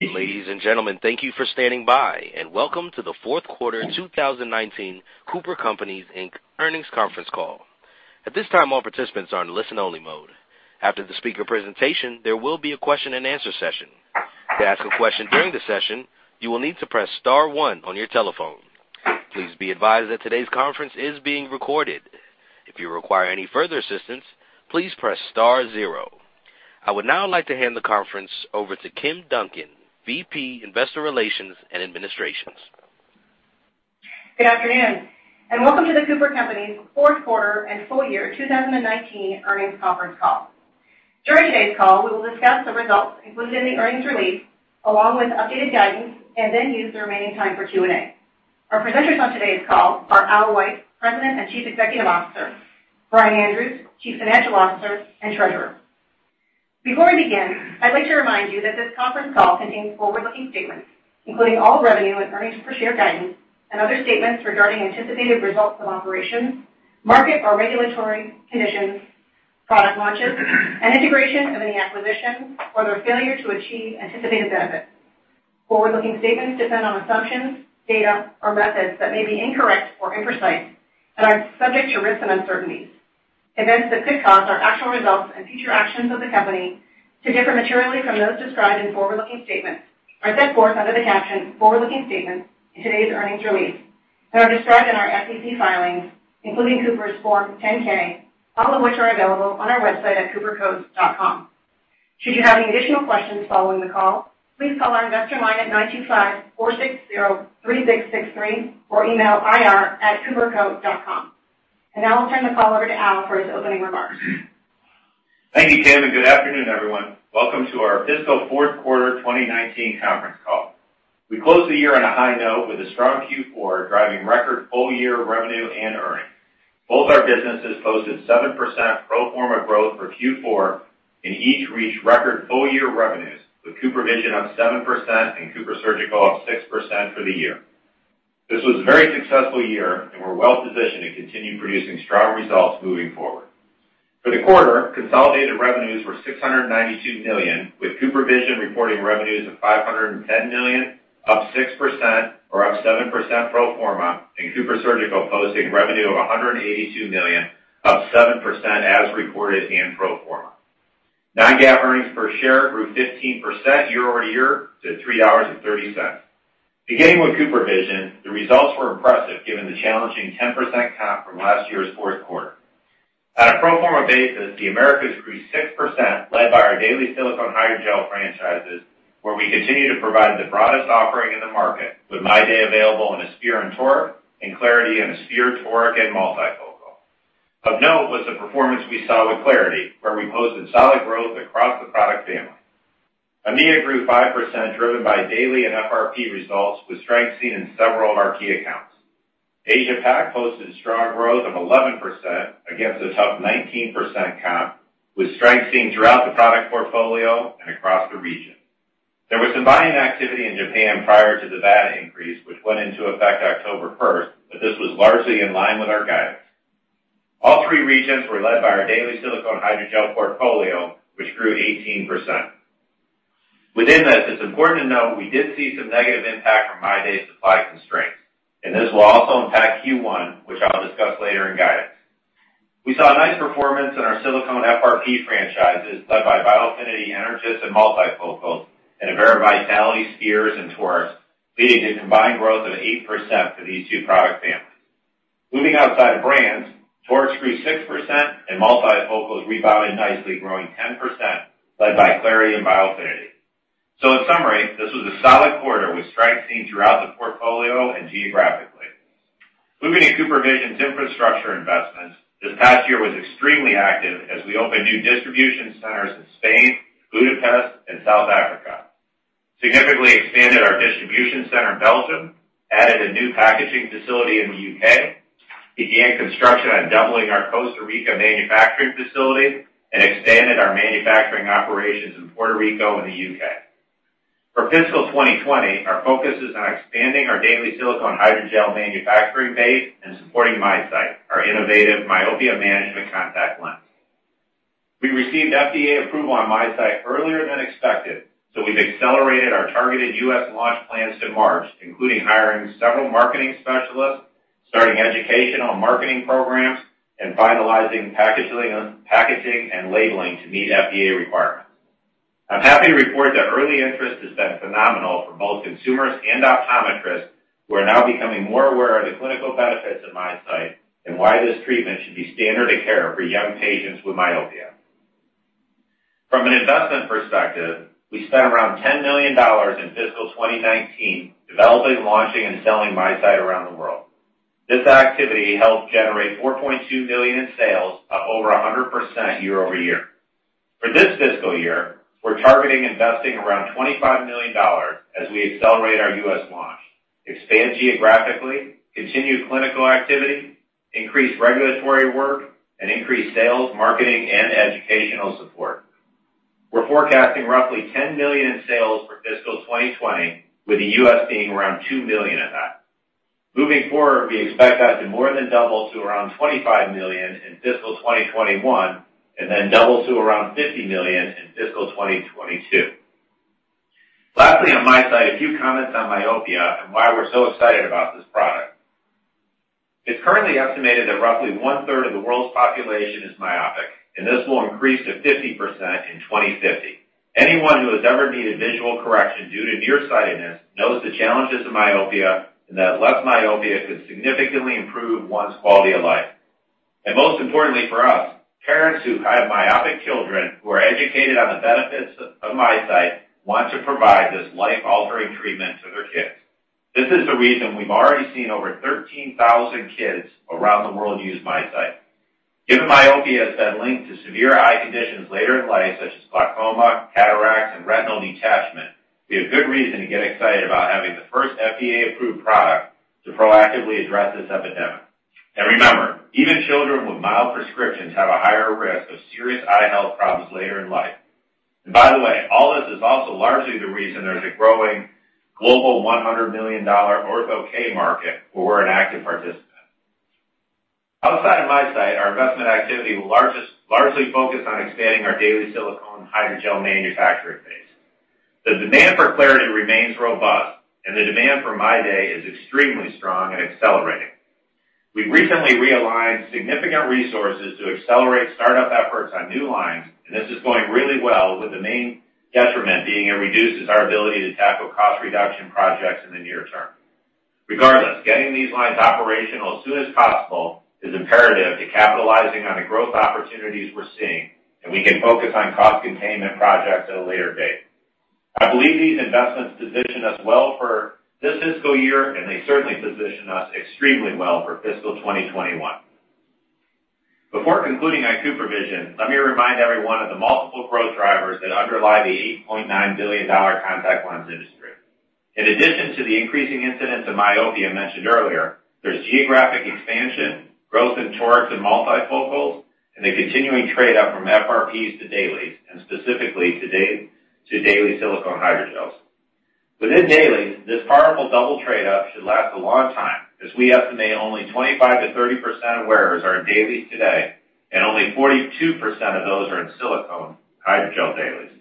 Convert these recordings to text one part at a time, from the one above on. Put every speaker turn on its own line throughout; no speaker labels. Ladies and gentlemen, thank you for standing by, and welcome to the Fourth Quarter 2019 Cooper Companies Inc. Earnings Conference Call. At this time, all participants are in listen-only mode. After the speaker presentation, there will be a question-and-answer session. To ask a question during the session, you will need to press star one on your telephone. Please be advised that today's conference is being recorded. If you require any further assistance, please press star zero. I would now like to hand the conference over to Kim Duncan, VP, Investor Relations and Administrations.
Good afternoon, and welcome to The Cooper Companies fourth quarter and full year 2019 earnings conference call. During today's call, we will discuss the results included in the earnings release, along with updated guidance. Then use the remaining time for Q&A. Our presenters on today's call are Al White, President and Chief Executive Officer, Brian Andrews, Chief Financial Officer and Treasurer. Before we begin, I'd like to remind you that this conference call contains forward-looking statements, including all revenue and earnings per share guidance, other statements regarding anticipated results from operations, market or regulatory conditions, product launches, and integration of any acquisitions or their failure to achieve anticipated benefits. Forward-looking statements depend on assumptions, data, or methods that may be incorrect or imprecise and are subject to risks and uncertainties. Events that could cause our actual results and future actions of the company to differ materially from those described in forward-looking statements are set forth under the caption Forward Looking Statements in today's earnings release and are described in our SEC filings, including Cooper's Form 10-K, all of which are available on our website at coopercos.com. Should you have any additional questions following the call, please call our Investor line at 925-460-3663 or email IR at coopercos.com. Now I'll turn the call over to Al for his opening remarks.
Thank you, Kim. Good afternoon, everyone. Welcome to our fiscal fourth quarter 2019 conference call. We closed the year on a high note with a strong Q4 driving record full-year revenue and earnings. Both our businesses posted 7% pro forma growth for Q4 and each reached record full year revenues, with CooperVision up 7% and CooperSurgical up 6% for the year. This was a very successful year, and we're well positioned to continue producing strong results moving forward. For the quarter, consolidated revenues were $692 million, with CooperVision reporting revenues of $510 million, up 6%, or up 7% pro forma, and CooperSurgical posting revenue of $182 million, up 7% as reported and pro forma. Non-GAAP earnings per share grew 15% year-over-year to $3.30. Beginning with CooperVision, the results were impressive given the challenging 10% comp from last year's fourth quarter. On a pro forma basis, the Americas grew 6%, led by our daily silicone hydrogel franchises, where we continue to provide the broadest offering in the market, with MyDay available in a sphere and toric, and clariti in a sphere, toric, and multifocal. Of note was the performance we saw with clariti, where we posted solid growth across the product family. EMEA grew 5%, driven by daily and FRP results, with strength seen in several of our key accounts. Asia Pac posted strong growth of 11% against a tough 19% comp, with strength seen throughout the product portfolio and across the region. There was some buying activity in Japan prior to the VAT increase, which went into effect October 1st, but this was largely in line with our guidance. All three regions were led by our daily silicone hydrogel portfolio, which grew 18%. Within this, it's important to note we did see some negative impact from MyDay supply constraints. This will also impact Q1, which I'll discuss later in guidance. We saw nice performance in our silicone FRP franchises led by Biofinity Energys and multifocals and Avaira Vitality spheres and torics, leading to a combined growth of 8% for these two product families. Moving outside of brands, torics grew 6% and multifocals rebounded nicely, growing 10%, led by clariti and Biofinity. In summary, this was a solid quarter with strength seen throughout the portfolio and geographically. Moving to CooperVision's infrastructure investments, this past year was extremely active as we opened new distribution centers in Spain, Budapest, and South Africa, significantly expanded our distribution center in Belgium, added a new packaging facility in the U.K., began construction on doubling our Costa Rica manufacturing facility, and expanded our manufacturing operations in Puerto Rico and the U.K. For fiscal 2020, our focus is on expanding our daily silicone hydrogel manufacturing base and supporting MiSight, our innovative myopia management contact lens. We received FDA approval on MiSight earlier than expected, so we've accelerated our targeted U.S. launch plans to March, including hiring several marketing specialists, starting educational marketing programs, and finalizing packaging and labeling to meet FDA requirements. I'm happy to report that early interest has been phenomenal for both consumers and optometrists, who are now becoming more aware of the clinical benefits of MiSight and why this treatment should be standard of care for young patients with myopia. From an investment perspective, we spent around $10 million in fiscal 2019 developing, launching, and selling MiSight around the world. This activity helped generate $4.2 million in sales, up over 100% year-over-year. For this fiscal year, we're targeting investing around $25 million as we accelerate our U.S. launch, expand geographically, continue clinical activity, increase regulatory work, and increase sales, marketing, and educational support. We're forecasting roughly $10 million in sales for fiscal 2020, with the U.S. being around $2 million of that. Moving forward, we expect that to more than double to around $25 million in fiscal 2021, and then double to around $50 million in fiscal 2022. Lastly, on MiSight, a few comments on myopia and why we're so excited about this product. It's currently estimated that roughly 1/3 of the world's population is myopic. This will increase to 50% in 2050. Anyone who has ever needed visual correction due to nearsightedness knows the challenges of myopia, and that less myopia could significantly improve one's quality of life. Most importantly for us, parents who have myopic children who are educated on the benefits of MiSight want to provide this life-altering treatment to their kids. This is the reason we've already seen over 13,000 kids around the world use MiSight. Given myopia has been linked to severe eye conditions later in life, such as glaucoma, cataracts, and retinal detachment, we have good reason to get excited about having the first FDA-approved product to proactively address this epidemic. Remember, even children with mild prescriptions have a higher risk of serious eye health problems later in life. By the way, all this is also largely the reason there's a growing global $100 million Ortho K market, where we're an active participant. Outside of MiSight, our investment activity will largely focus on expanding our daily silicone hydrogel manufacturing base. The demand for clariti remains robust, and the demand for MyDay is extremely strong and accelerating. We've recently realigned significant resources to accelerate startup efforts on new lines, and this is going really well with the main detriment being it reduces our ability to tackle cost reduction projects in the near term. Regardless, getting these lines operational as soon as possible is imperative to capitalizing on the growth opportunities we're seeing, and we can focus on cost containment projects at a later date. I believe these investments position us well for this fiscal year, and they certainly position us extremely well for fiscal 2021. Before concluding on CooperVision, let me remind everyone of the multiple growth drivers that underlie the $8.9 billion contact lens industry. In addition to the increasing incidence of myopia mentioned earlier, there's geographic expansion, growth in torics and multifocals, and the continuing trade-up from FRPs to dailies, and specifically to daily silicone hydrogels. Within dailies, this powerful double trade-up should last a long time, as we estimate only 25%-30% of wearers are in dailies today, and only 42% of those are in silicone hydrogel dailies.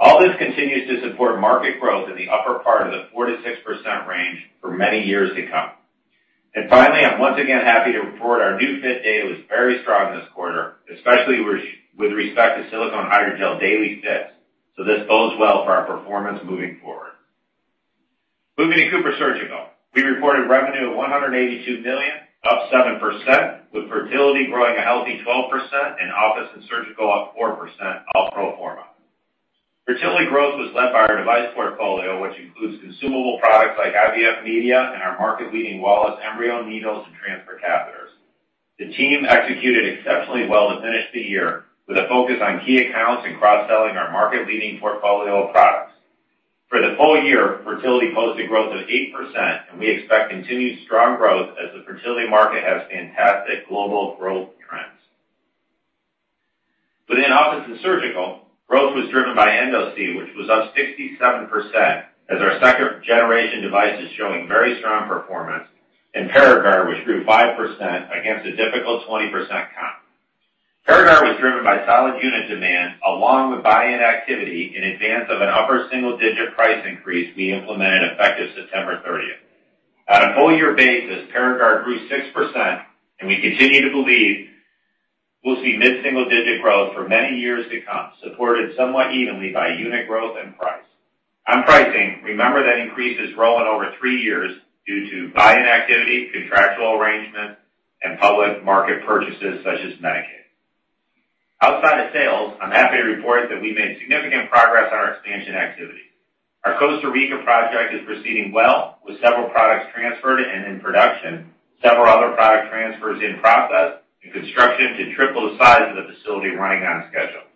All this continues to support market growth in the upper part of the 4%-6% range for many years to come. Finally, I'm once again happy to report our new fit day was very strong this quarter, especially with respect to silicone hydrogel daily fits. This bodes well for our performance moving forward. Moving to CooperSurgical. We reported revenue of $182 million, up 7%, with fertility growing a healthy 12% and office and surgical up 4%, all pro forma. Fertility growth was led by our device portfolio, which includes consumable products like IVF media and our market-leading Wallace Embryo needles and transfer catheters. The team executed exceptionally well to finish the year with a focus on key accounts and cross-selling our market-leading portfolio of products. For the full year, fertility posted growth of 8%. We expect continued strong growth as the fertility market has fantastic global growth trends. Within office and surgical, growth was driven by Endosee, which was up 67% as our second-generation device is showing very strong performance, and PARAGARD, which grew 5% against a difficult 20% comp. PARAGARD was driven by solid unit demand along with buy-in activity in advance of an upper single-digit price increase we implemented effective September 30th. On a full-year basis, PARAGARD grew 6%, and we continue to believe we'll see mid-single-digit growth for many years to come, supported somewhat evenly by unit growth and price. On pricing, remember that increase is rolling over three years due to buy-in activity, contractual arrangements, and public market purchases such as Medicaid. Outside of sales, I'm happy to report that we made significant progress on our expansion activity. Our Costa Rica project is proceeding well, with several products transferred and in production, several other product transfers in process, and construction to triple the size of the facility running on schedule.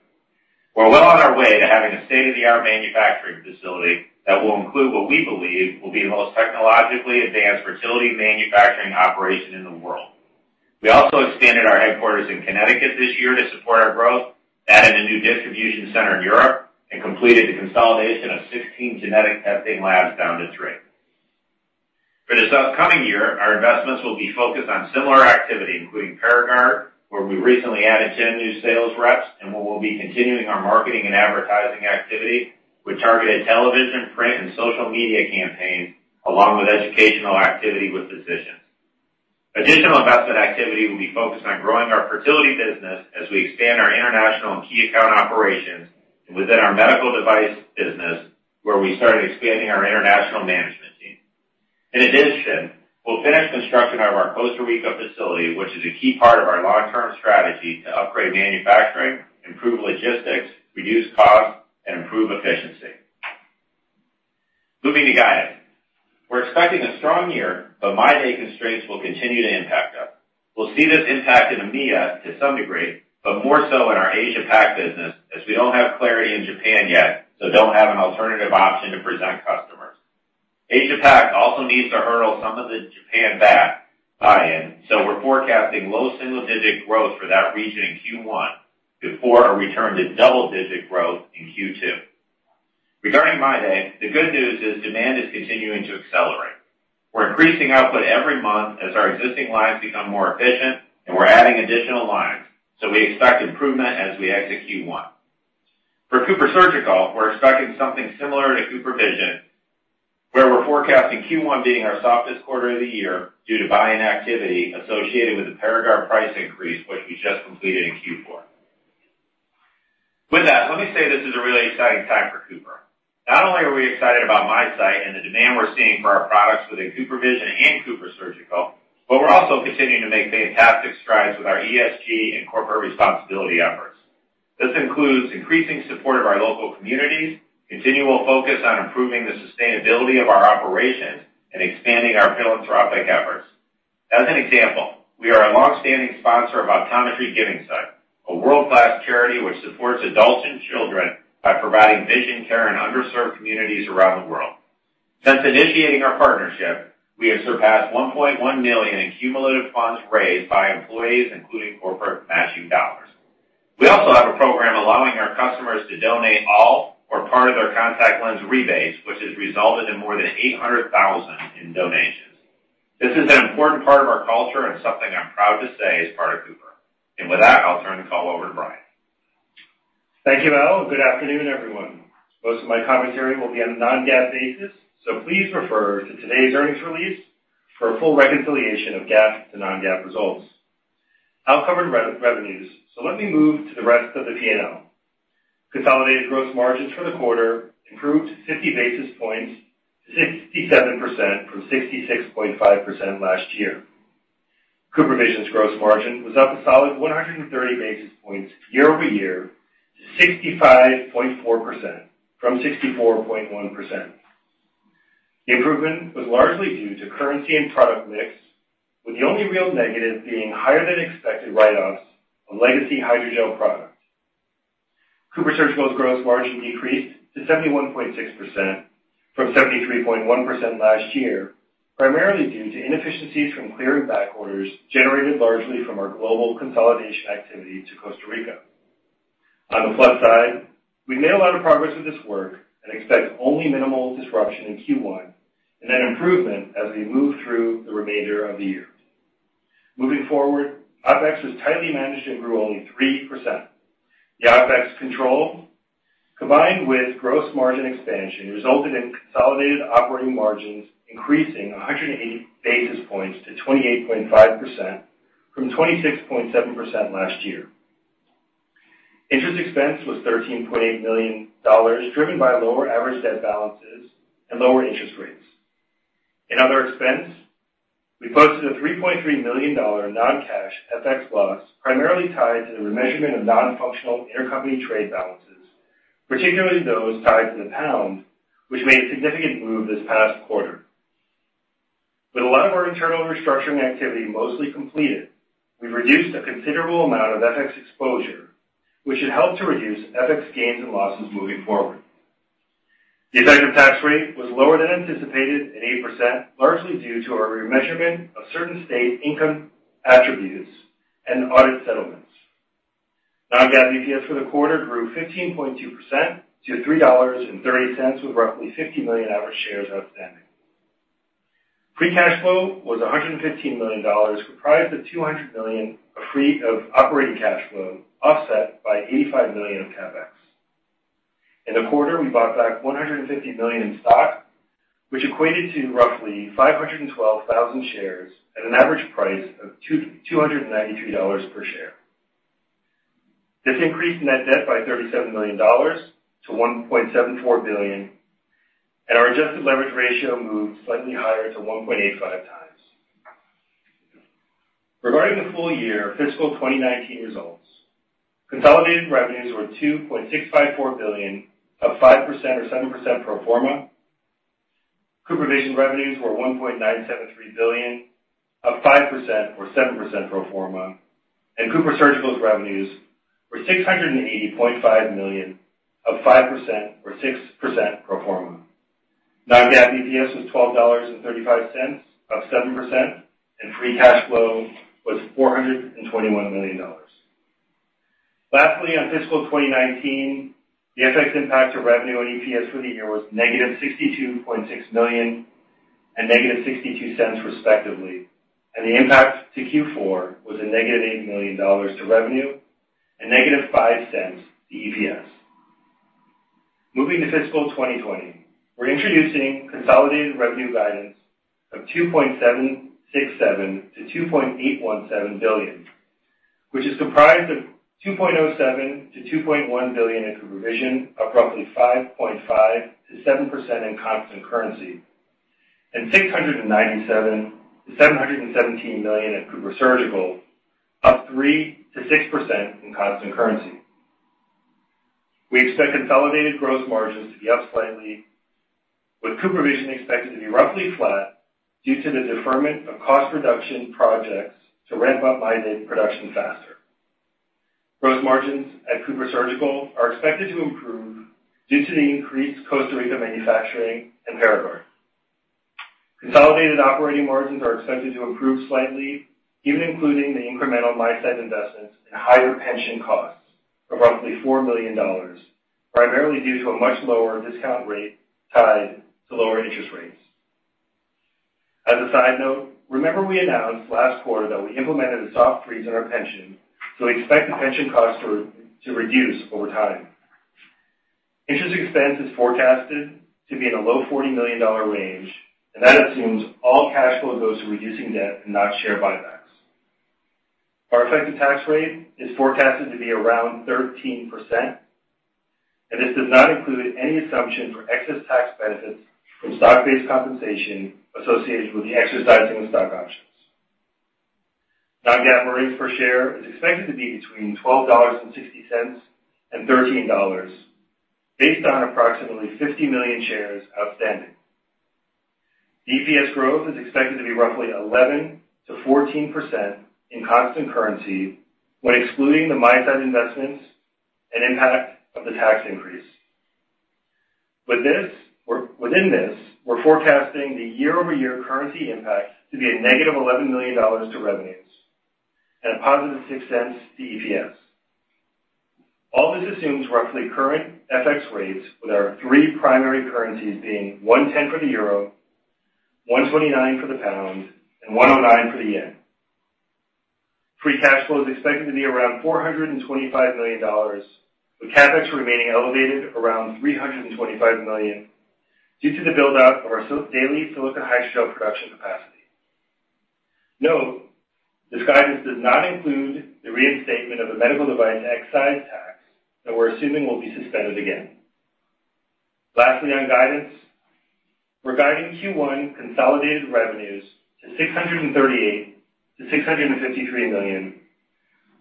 We're well on our way to having a state-of-the-art manufacturing facility that will include what we believe will be the most technologically advanced fertility manufacturing operation in the world. We also expanded our headquarters in Connecticut this year to support our growth, added a new distribution center in Europe, and completed the consolidation of 16 genetic testing labs down to three. For this upcoming year, our investments will be focused on similar activity, including PARAGARD, where we recently added 10 new sales reps, and where we'll be continuing our marketing and advertising activity with targeted television, print, and social media campaigns, along with educational activity with physicians. Additional investment activity will be focused on growing our fertility business as we expand our international and key account operations and within our medical device business, where we started expanding our international management team. In addition, we'll finish construction of our Costa Rica facility, which is a key part of our long-term strategy to upgrade manufacturing, improve logistics, reduce costs, and improve efficiency. Moving to guidance. We're expecting a strong year, MyDay constraints will continue to impact us. We'll see this impact in EMEA to some degree, more so in our Asia-Pac business as we don't have clarity in Japan yet, don't have an alternative option to present customers. Asia-Pac also needs to hurdle some of the Japan VAT buy-in. We're forecasting low single-digit growth for that region in Q1 before a return to double-digit growth in Q2. Regarding MyDay, the good news is demand is continuing to accelerate. We're increasing output every month as our existing lines become more efficient, and we're adding additional lines. We expect improvement as we exit Q1. For CooperSurgical, we're expecting something similar to CooperVision, where we're forecasting Q1 being our softest quarter of the year due to buy-in activity associated with the PARAGARD price increase, which we just completed in Q4. With that, let me say this is a really exciting time for Cooper. Not only are we excited about MiSight and the demand we're seeing for our products within CooperVision and CooperSurgical, but we're also continuing to make fantastic strides with our ESG and corporate responsibility efforts. This includes increasing support of our local communities, continual focus on improving the sustainability of our operations, and expanding our philanthropic efforts. As an example, we are a long-standing sponsor of Optometry Giving Sight, a world-class charity which supports adults and children by providing vision care in underserved communities around the world. Since initiating our partnership, we have surpassed $1.1 million in cumulative funds raised by employees, including corporate matching dollars. We also have a program allowing our customers to donate all or part of their contact lens rebates, which has resulted in more than $800,000 in donations. This is an important part of our culture and something I'm proud to say is part of Cooper. With that, I'll turn the call over to Brian.
Thank you, Al. Good afternoon, everyone. Most of my commentary will be on a non-GAAP basis, so please refer to today's earnings release for a full reconciliation of GAAP to non-GAAP results. Al covered revenues, so let me move to the rest of the P&L. Consolidated gross margins for the quarter improved 50 basis points to 67% from 66.5% last year. CooperVision's gross margin was up a solid 130 basis points year-over-year to 65.4% from 64.1%. The improvement was largely due to currency and product mix, with the only real negative being higher than expected write-offs on legacy hydrogel products. CooperSurgical's gross margin decreased to 71.6% from 73.1% last year, primarily due to inefficiencies from clearing back orders generated largely from our global consolidation activity to Costa Rica. On the flip side, we made a lot of progress with this work and expect only minimal disruption in Q1 and an improvement as we move through the remainder of the year. OpEx was tightly managed and grew only 3%. The OpEx control, combined with gross margin expansion, resulted in consolidated operating margins increasing 180 basis points to 28.5% from 26.7% last year. Interest expense was $13.8 million, driven by lower average debt balances and lower interest rates. In other expense, we posted a $3.3 million non-cash FX loss, primarily tied to the remeasurement of non-functional intercompany trade balances, particularly those tied to the pound, which made a significant move this past quarter. With a lot of our internal restructuring activity mostly completed, we've reduced a considerable amount of FX exposure, which should help to reduce FX gains and losses moving forward. The effective tax rate was lower than anticipated at 8%, largely due to our remeasurement of certain State income attributes and audit settlements. Non-GAAP EPS for the quarter grew 15.2% to $3.30, with roughly 50 million average shares outstanding. Free cash flow was $115 million, comprised of $200 million of operating cash flow, offset by $85 million of CapEx. In the quarter, we bought back $150 million in stock, which equated to roughly 512,000 shares at an average price of $293 per share. This increased net debt by $37 million to $1.74 billion, and our adjusted leverage ratio moved slightly higher to 1.85x. Regarding the full year fiscal 2019 results, consolidated revenues were $2.654 billion, up 5% or 7% pro forma. CooperVision revenues were $1.973 billion, up 5% or 7% pro forma. CooperSurgical's revenues were $680.5 million, up 5% or 6% pro forma. Non-GAAP EPS was $12.35, up 7% and free cash flow was $421 million. Lastly, on fiscal 2019, the FX impact to revenue and EPS for the year was -$62.6 million and -$0.62 respectively. The impact to Q4 was a -$8 million to revenue and -$0.05 to EPS. Moving to fiscal 2020, we're introducing consolidated revenue guidance of $2.767 billion-$2.817 billion, which is comprised of $2.07 billion-$2.1 billion in CooperVision, up roughly 5.5%-7% in constant currency. $697 million-$717 million at CooperSurgical, up 3%-6% in constant currency. We expect consolidated gross margins to be up slightly, with CooperVision expected to be roughly flat due to the deferment of cost reduction projects to ramp up MyDay production faster. Gross margins at CooperSurgical are expected to improve due to the increased Costa Rica manufacturing and PARAGARD. Consolidated operating margins are expected to improve slightly, even including the incremental MiSight investments and higher pension costs of roughly $4 million, primarily due to a much lower discount rate tied to lower interest rates. As a side note, remember we announced last quarter that we implemented a soft freeze on our pension. We expect the pension costs to reduce over time. Interest expense is forecasted to be in a low $40 million range. That assumes all cash flow goes to reducing debt and not share buybacks. Our effective tax rate is forecasted to be around 13%. This does not include any assumption for excess tax benefits from stock-based compensation associated with the exercising of stock options. Non-GAAP earnings per share is expected to be between $12.60 and $13 based on approximately 50 million shares outstanding. EPS growth is expected to be roughly 11%-14% in constant currency when excluding the MiSight investments and impact of the tax increase. Within this, we're forecasting the year-over-year currency impact to be a -$11 million to revenues and a +$0.06 to EPS. All this assumes roughly current FX rates, with our three primary currencies being 1.10 euro, GBP 1.29, and JPY 109. Free cash flow is expected to be around $425 million, with CapEx remaining elevated around $325 million due to the build-out of our daily silicone hydrogel production capacity. Note, this guidance does not include the reinstatement of the medical device excise tax that we're assuming will be suspended again. Lastly, on guidance, we're guiding Q1 consolidated revenues to $638 million-$653 million,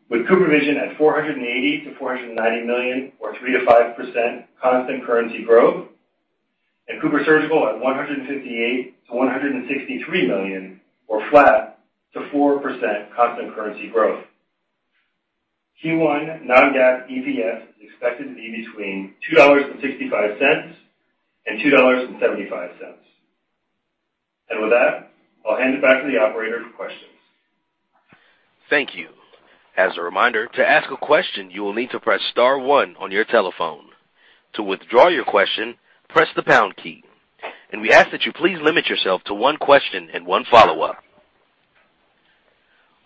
with CooperVision at $480 million-$490 million, or 3%-5% constant currency growth, and CooperSurgical at $158 million-$163 million, or flat to 4% constant currency growth. Q1 non-GAAP EPS is expected to be between $2.65 and $2.75. With that, I'll hand it back to the operator for questions.
Thank you. As a reminder, to ask a question, you will need to press star one on your telephone. To withdraw your question, press the pound key. We ask that you please limit yourself to one question and one follow-up.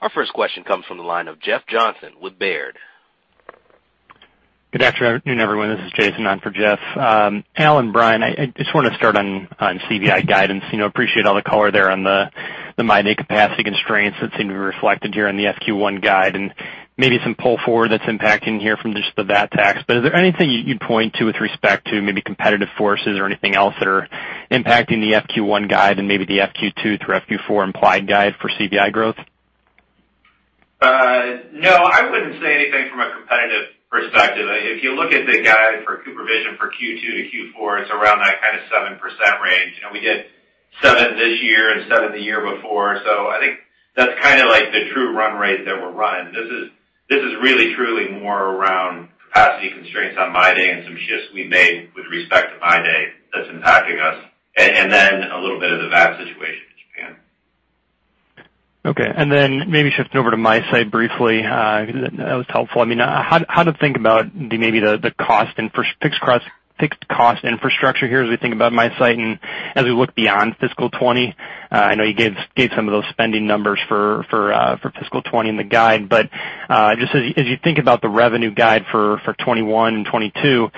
Our first question comes from the line of Jeff Johnson with Baird.
Good afternoon, everyone. This is Jason on for Jeff. Al and Brian, I just want to start on CVI guidance. Appreciate all the color there on the MyDay capacity constraints that seem to be reflected here in the F Q1 guide, and maybe some pull forward that's impacting here from just the VAT tax. Is there anything you'd point to with respect to maybe competitive forces or anything else that are impacting the F Q1 guide and maybe the F Q2 through F Q4 implied guide for CVI growth?
No, I wouldn't say anything from a competitive perspective. If you look at the guide for CooperVision for Q2-Q4, it's around that kind of 7% range. We did seven this year and seven the year before. I think that's the true run rate that we're running. This is really truly more around capacity constraints on MyDay and some shifts we made with respect to MyDay that's impacting us. A little bit of the VAT situation in Japan.
Okay, maybe shifting over to MiSight briefly, that was helpful. How to think about maybe the fixed cost infrastructure here as we think about MiSight and as we look beyond fiscal 2020? I know you gave some of those spending numbers for fiscal 2020 in the guide. But just as you think about the revenue guide for 2021 and 2022,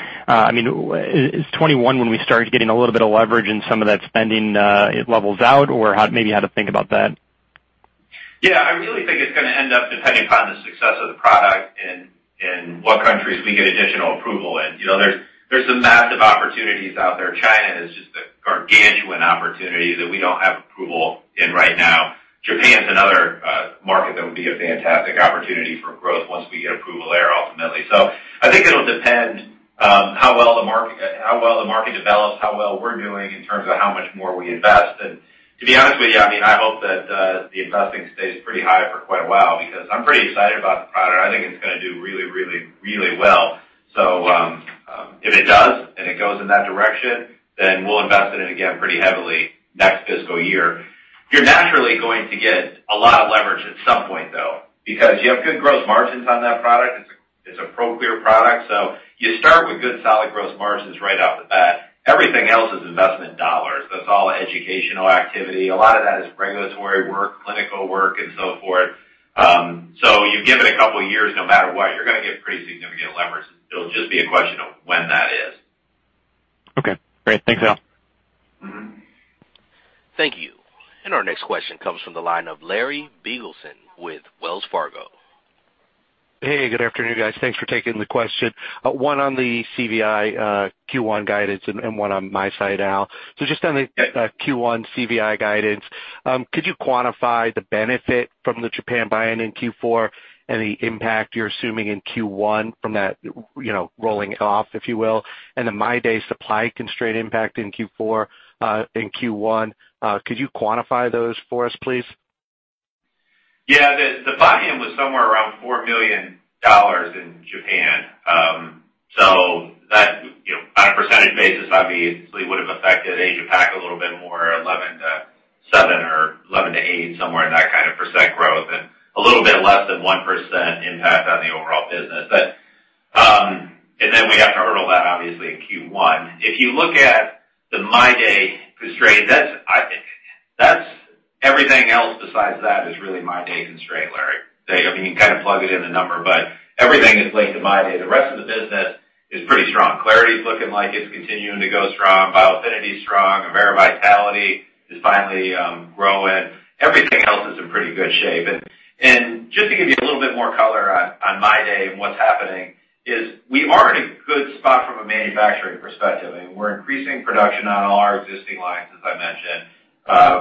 is 2021 when we start getting a little bit of leverage and some of that spending levels out? Or maybe how to think about that?
Yeah, I really think it's going to end up depending upon the success of the product and what countries we get additional approval in. There's some massive opportunities out there. China is just a gargantuan opportunity that we don't have approval in right now. Japan's another market that would be a fantastic opportunity for growth once we get approval there ultimately. I think it'll depend how well the market develops, how well we're doing in terms of how much more we invest. To be honest with you, I hope that the investing stays pretty high for quite a while because I'm pretty excited about the product, and I think it's going to do really, really, really well. If it does, and it goes in that direction, then we'll invest in it again pretty heavily next fiscal year. You're naturally going to get a lot of leverage at some point, though, because you have good gross margins on that product. It's a Proclear product, so you start with good, solid gross margins right off the bat. Everything else is investment dollars. That's all educational activity. A lot of that is regulatory work, clinical work, and so forth. You give it a couple of years, no matter what, you're going to get pretty significant leverage. It'll just be a question of when that is.
Okay, great. Thanks, Al.
Thank you. Our next question comes from the line of Larry Biegelsen with Wells Fargo.
Hey, good afternoon, guys. Thanks for taking the question. One on the CVI Q1 guidance and one on MiSight, Al. Just on the Q1 CVI guidance, could you quantify the benefit from the Japan buy-in in Q4 and the impact you're assuming in Q1 from that rolling off, if you will? The MyDay supply constraint impact in Q4, in Q1, could you quantify those for us, please?
The volume was somewhere around $4 million in Japan. That on a percentage basis, obviously would have affected Asia-Pac a little bit more, 11%-7% or 11%-8%, somewhere in that kind of percent growth and a little bit less than 1% impact on the overall business. We have to hurdle that obviously in Q1. If you look at the MyDay constraint, everything else besides that is really MyDay constraint, Larry. You can kind of plug it in the number, everything is linked to MyDay. The rest of the business is pretty strong. clariti's looking like it's continuing to go strong. Biofinity is strong. Avaira Vitality is finally growing. Everything else is in pretty good shape. Just to give you a little bit more color on MyDay and what's happening, is we are in a good spot from a manufacturing perspective, and we're increasing production on all our existing lines, as I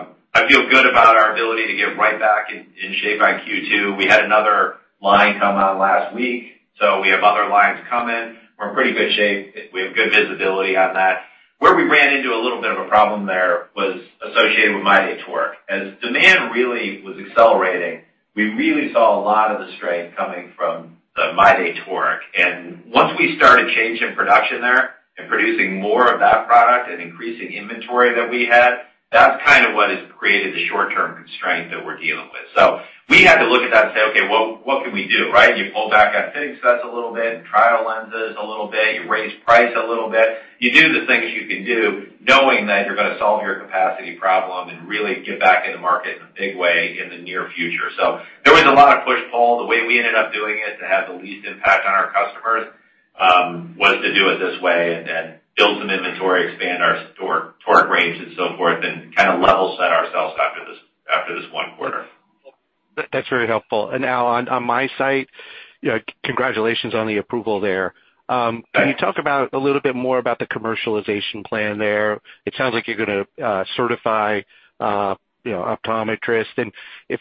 mentioned. I feel good about our ability to get right back in shape by Q2. We had another line come on last week. We have other lines coming. We're in pretty good shape. We have good visibility on that. Where we ran into a little bit of a problem there was associated with MyDay toric. As demand really was accelerating, we really saw a lot of the strain coming from the MyDay toric. Once we started changing production there and producing more of that product and increasing inventory that we had, that's kind of what has created the short-term constraint that we're dealing with. We had to look at that and say, "Okay, what can we do?" You pull back on fitting specs a little bit and trial lenses a little bit. You raise price a little bit. You do the things you can do knowing that you're going to solve your capacity problem and really get back in the market in a big way in the near future. There was a lot of push and pull. The way we ended up doing it to have the least impact on our customers, was to do it this way and then build some inventory, expand our toric range and so forth, and kind of level set ourselves after this one quarter.
That's very helpful. Al, on MiSight, congratulations on the approval there.
Thanks.
Can you talk a little bit more about the commercialization plan there? It sounds like you're going to certify optometrists. If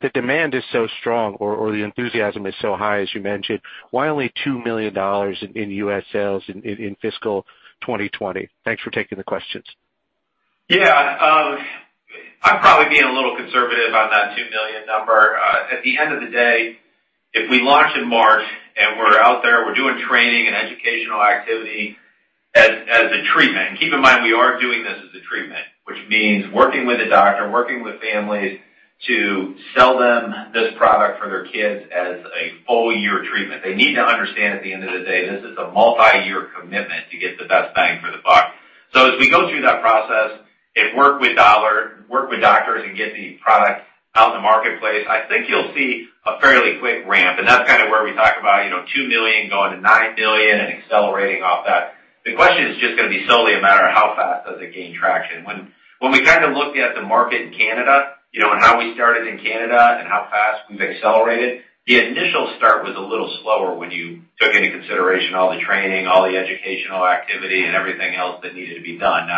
the demand is so strong or the enthusiasm is so high as you mentioned, why only $2 million in U.S. sales in fiscal 2020? Thanks for taking the questions.
Yeah. I'm probably being a little conservative on that $2 million number. At the end of the day, if we launch in March and we're out there, we're doing training and educational activity as a treatment. Keep in mind, we are doing this as a treatment, which means working with a doctor, working with families to sell them this product for their kids as a full-year treatment. They need to understand at the end of the day, this is a multi-year commitment to get the best bang for the buck. As we go through that process and work with doctors and get the product out in the marketplace, I think you'll see a fairly quick ramp. That's kind of where we talk about $2 million going to $9 million and accelerating off that. The question is just going to be solely a matter of how fast does it gain traction. When we kind of looked at the market in Canada, and how we started in Canada and how fast we've accelerated, the initial start was a little slower when you took into consideration all the training, all the educational activity, and everything else that needed to be done.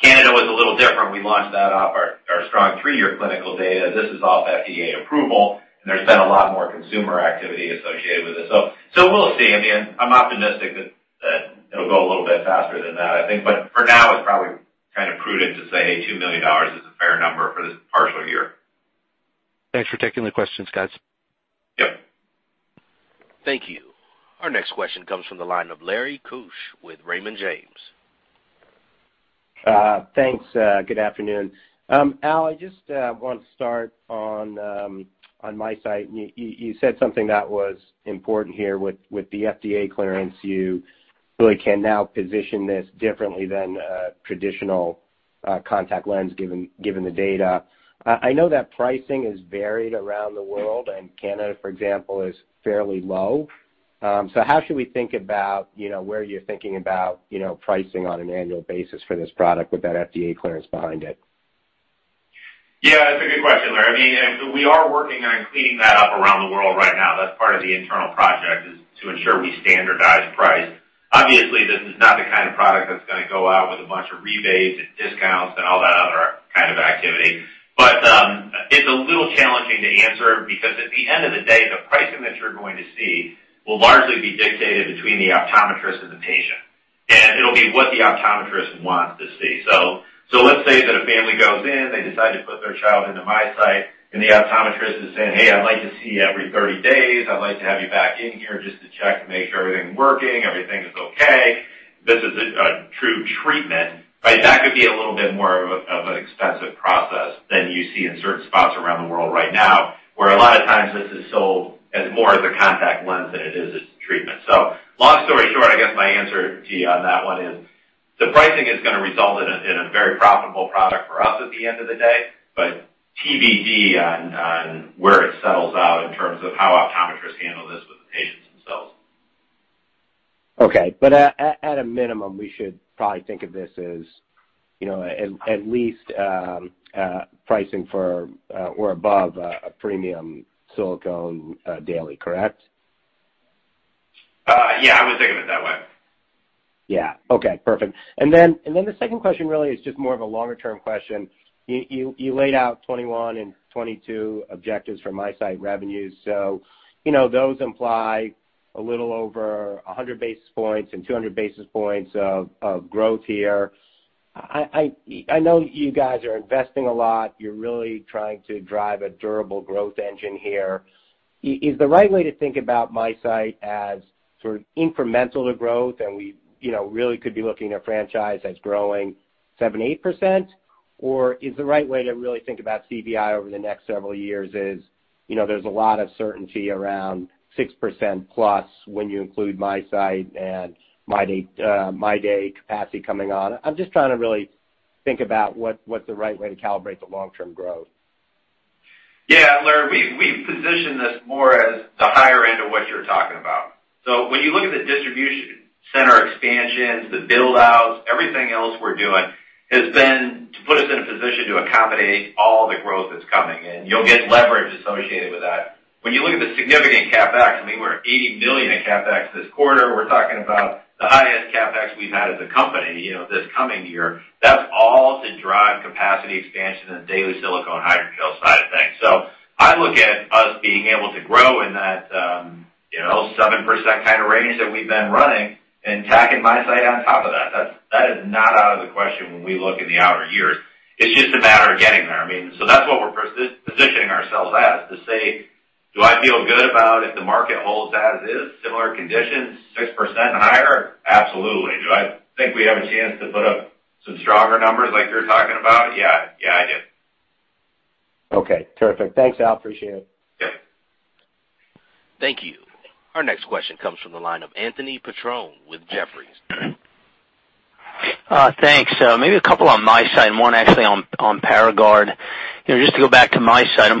Canada was a little different. We launched that off our strong three-year clinical data. This is off FDA approval, and there's been a lot more consumer activity associated with this. We'll see. I'm optimistic that it'll go a little bit faster than that, I think. For now, it's probably kind of prudent to say $2 million is a fair number for this partial year.
Thanks for taking the questions, guys.
Yep.
Thank you. Our next question comes from the line of Larry Keusch with Raymond James.
Thanks. Good afternoon. Al, I just want to start on MiSight. You said something that was important here with the FDA clearance. You really can now position this differently than a traditional contact lens given the data. I know that pricing is varied around the world, and Canada, for example, is fairly low. How should we think about where you're thinking about pricing on an annual basis for this product with that FDA clearance behind it?
That's a good question, Larry. We are working on cleaning that up around the world right now. That's part of the internal project, is to ensure we standardize price. Obviously, this is not the kind of product that's going to go out with a bunch of rebates and discounts and all that other kind of activity. It's a little challenging to answer because at the end of the day, the pricing that you're going to see will largely be dictated between the optometrist and the patient. It'll be what the optometrist wants to see. Let's say that a family goes in, they decide to put their child into MiSight, and the optometrist is saying, "Hey, I'd like to see you every 30 days. I'd like to have you back in here just to check to make sure everything's working, everything is okay." This is a true treatment. That could be a little bit more of an expensive process than you see in certain spots around the world right now, where a lot of times this is sold as more as a contact lens than it is as a treatment. Long story short, I guess my answer to you on that one is the pricing is going to result in a very profitable product for us at the end of the day, but TBD on where it settles out in terms of how optometrists handle this with the patients themselves.
Okay. At a minimum, we should probably think of this as at least pricing for or above a premium silicone dailies, correct?
Yeah. I would think of it that way.
Yeah. Okay, perfect. The second question really is just more of a longer-term question. You laid out 2021 and 2022 objectives for MiSight revenues. Those imply a little over 100 basis points and 200 basis points of growth here. I know you guys are investing a lot. You're really trying to drive a durable growth engine here. Is the right way to think about MiSight as sort of incremental to growth, and we really could be looking at a franchise that's growing 7%,8%? Is the right way to really think about CVI over the next several years is, there's a lot of certainty around 6%+ when you include MiSight and MyDay capacity coming on. I'm just trying to really think about what the right way to calibrate the long-term growth.
Larry, we position this more as the higher end of what you're talking about. When you look at the distribution center expansions, the build-outs, everything else we're doing, has been to put us in a position to accommodate all the growth that's coming in. You'll get leverage associated with that. When you look at the significant CapEx, we were at $80 million in CapEx this quarter. We're talking about the highest CapEx we've had as a company this coming year. That's all to drive capacity expansion in the daily silicone hydrogel side of things. I look at us being able to grow in that 7% kind of range that we've been running and tacking MiSight on top of that. That is not out of the question when we look in the outer years. It's just a matter of getting there. That's what we're positioning ourselves as, to say, do I feel good about if the market holds as is, similar conditions, 6% and higher? Absolutely. Do I think we have a chance to put up some stronger numbers like you're talking about? Yeah, I do.
Okay, terrific. Thanks, Al. Appreciate it.
Yeah.
Thank you. Our next question comes from the line of Anthony Petrone with Jefferies.
Thanks. Maybe a couple on MiSight and one actually on PARAGARD. Just to go back to MiSight,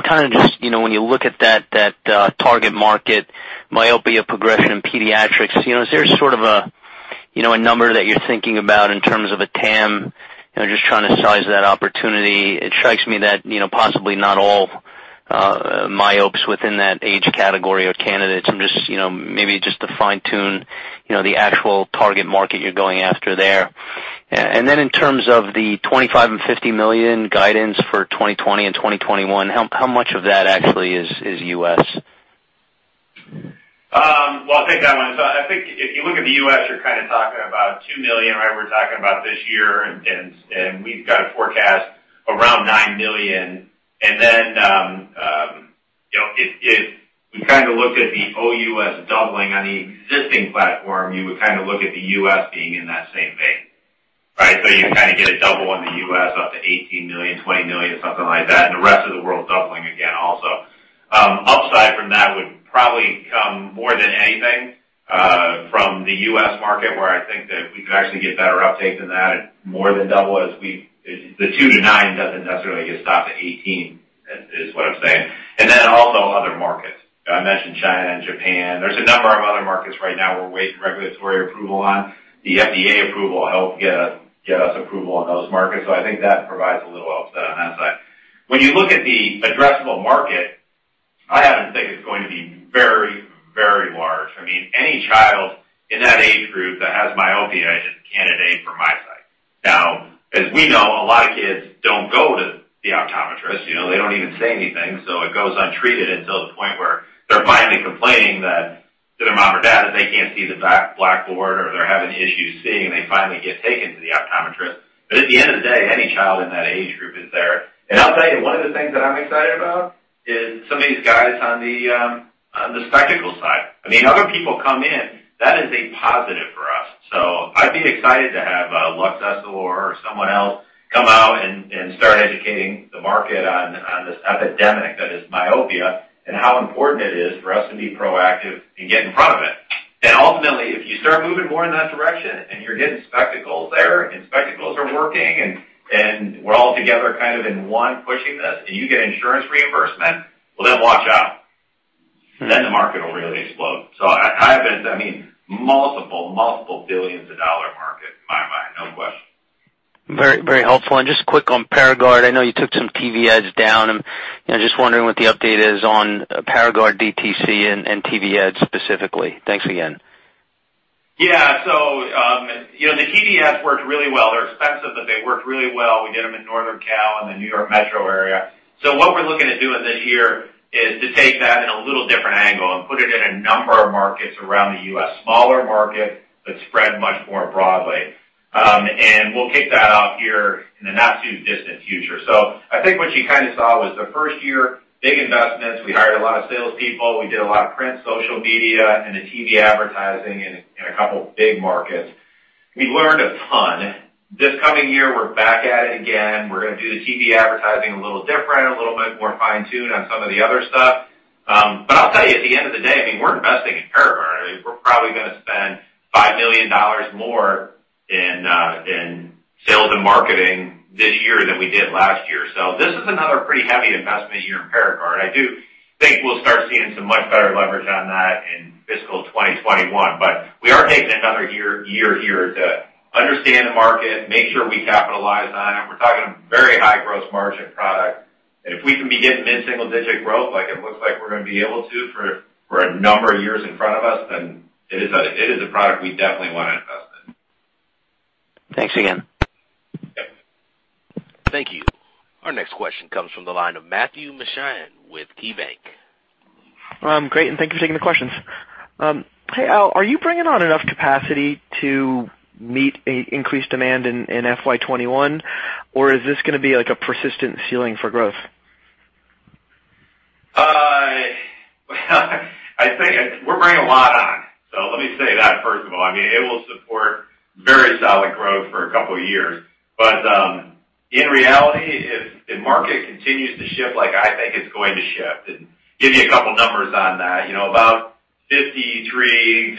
when you look at that target market, myopia progression in pediatrics, is there sort of a number that you're thinking about in terms of a TAM? Just trying to size that opportunity. It strikes me that possibly not all myopes within that age category are candidates. Maybe just to fine-tune the actual target market you're going after there. Then in terms of the $25 million and $50 million guidance for 2020 and 2021, how much of that actually is U.S.?
Well, I'll take that one. I think if you look at the U.S., you're kind of talking about $2 million, right? We're talking about this year, and we've got a forecast around $9 million. If we kind of look at the OUS doubling on the existing platform, you would kind of look at the U.S. being in that same way, right? You kind of get a double in the U.S. up to $18 million, $20 million, something like that, and the rest of the world doubling again also. Upside from that would probably come more than anything from the U.S. market, where I think that we could actually get better uptake than that at more than double as the two to nine doesn't necessarily get stopped at $18 million, is what I'm saying. Also other markets. I mentioned China and Japan. There's a number of other markets right now we're waiting for regulatory approval on. The FDA approval will help get us approval in those markets. I think that provides a little offset on that side. When you look at the addressable market, I happen to think it's going to be very large. Any child in that age group that has myopia is a candidate for MiSight. As we know, a lot of kids don't go to the optometrist. They don't even say anything. It goes untreated until the point where they're finally complaining to their mom or dad that they can't see the blackboard or they're having issues seeing, and they finally get taken to the optometrist. At the end of the day, any child in that age group is there. I'll tell you, one of the things that I'm excited about is some of these guys on the spectacle side. Other people come in, that is a positive for us. I'd be excited to have LuxEssilor or someone else come out and start educating the market on this epidemic that is myopia and how important it is for us to be proactive and get in front of it. Ultimately, if you start moving more in that direction and you're getting spectacles there and spectacles are working and we're all together kind of in one pushing this and you get insurance reimbursement, well, then watch out. The market will really explode. I have multiple billions of dollars market in my mind, no question.
Very helpful. Just quick on PARAGARD, I know you took some TV ads down. I'm just wondering what the update is on PARAGARD DTC and TV ads specifically. Thanks again.
The TV ads worked really well. They're expensive, but they worked really well. We did them in Northern California and the New York metro area. What we're looking at doing this year is to take that in a little different angle and put it in a number of markets around the U.S., smaller market, but spread much more broadly. We'll kick that off here in the not-too-distant future. I think what you kind of saw was the first year, big investments. We hired a lot of salespeople. We did a lot of print, social media, and the TV advertising in a couple big markets. We learned a ton. This coming year, we're back at it again. We're going to do the TV advertising a little different, a little bit more fine-tuned on some of the other stuff. I'll tell you, at the end of the day, we're investing in PARAGARD. We're probably going to spend $5 million more in sales and marketing this year than we did last year. This is another pretty heavy investment year in PARAGARD. I do think we'll start seeing some much better leverage on that in fiscal 2021. We are taking another year here to understand the market, make sure we capitalize on it. We're talking a very high gross margin product. If we can be getting mid-single-digit growth like it looks like we're going to be able to for a number of years in front of us, it is a product we definitely want to invest in.
Thanks again.
Yeah.
Thank you. Our next question comes from the line of Matthew Mishan with KeyBanc.
Great, thank you for taking the questions. Hey, Al, are you bringing on enough capacity to meet increased demand in FY 2021? Is this going to be a persistent ceiling for growth?
I think we're bringing a lot on. Let me say that, first of all. It will support very solid growth for a couple of years. In reality, if the market continues to shift like I think it's going to shift, and give you a couple numbers on that. About 53%, 54%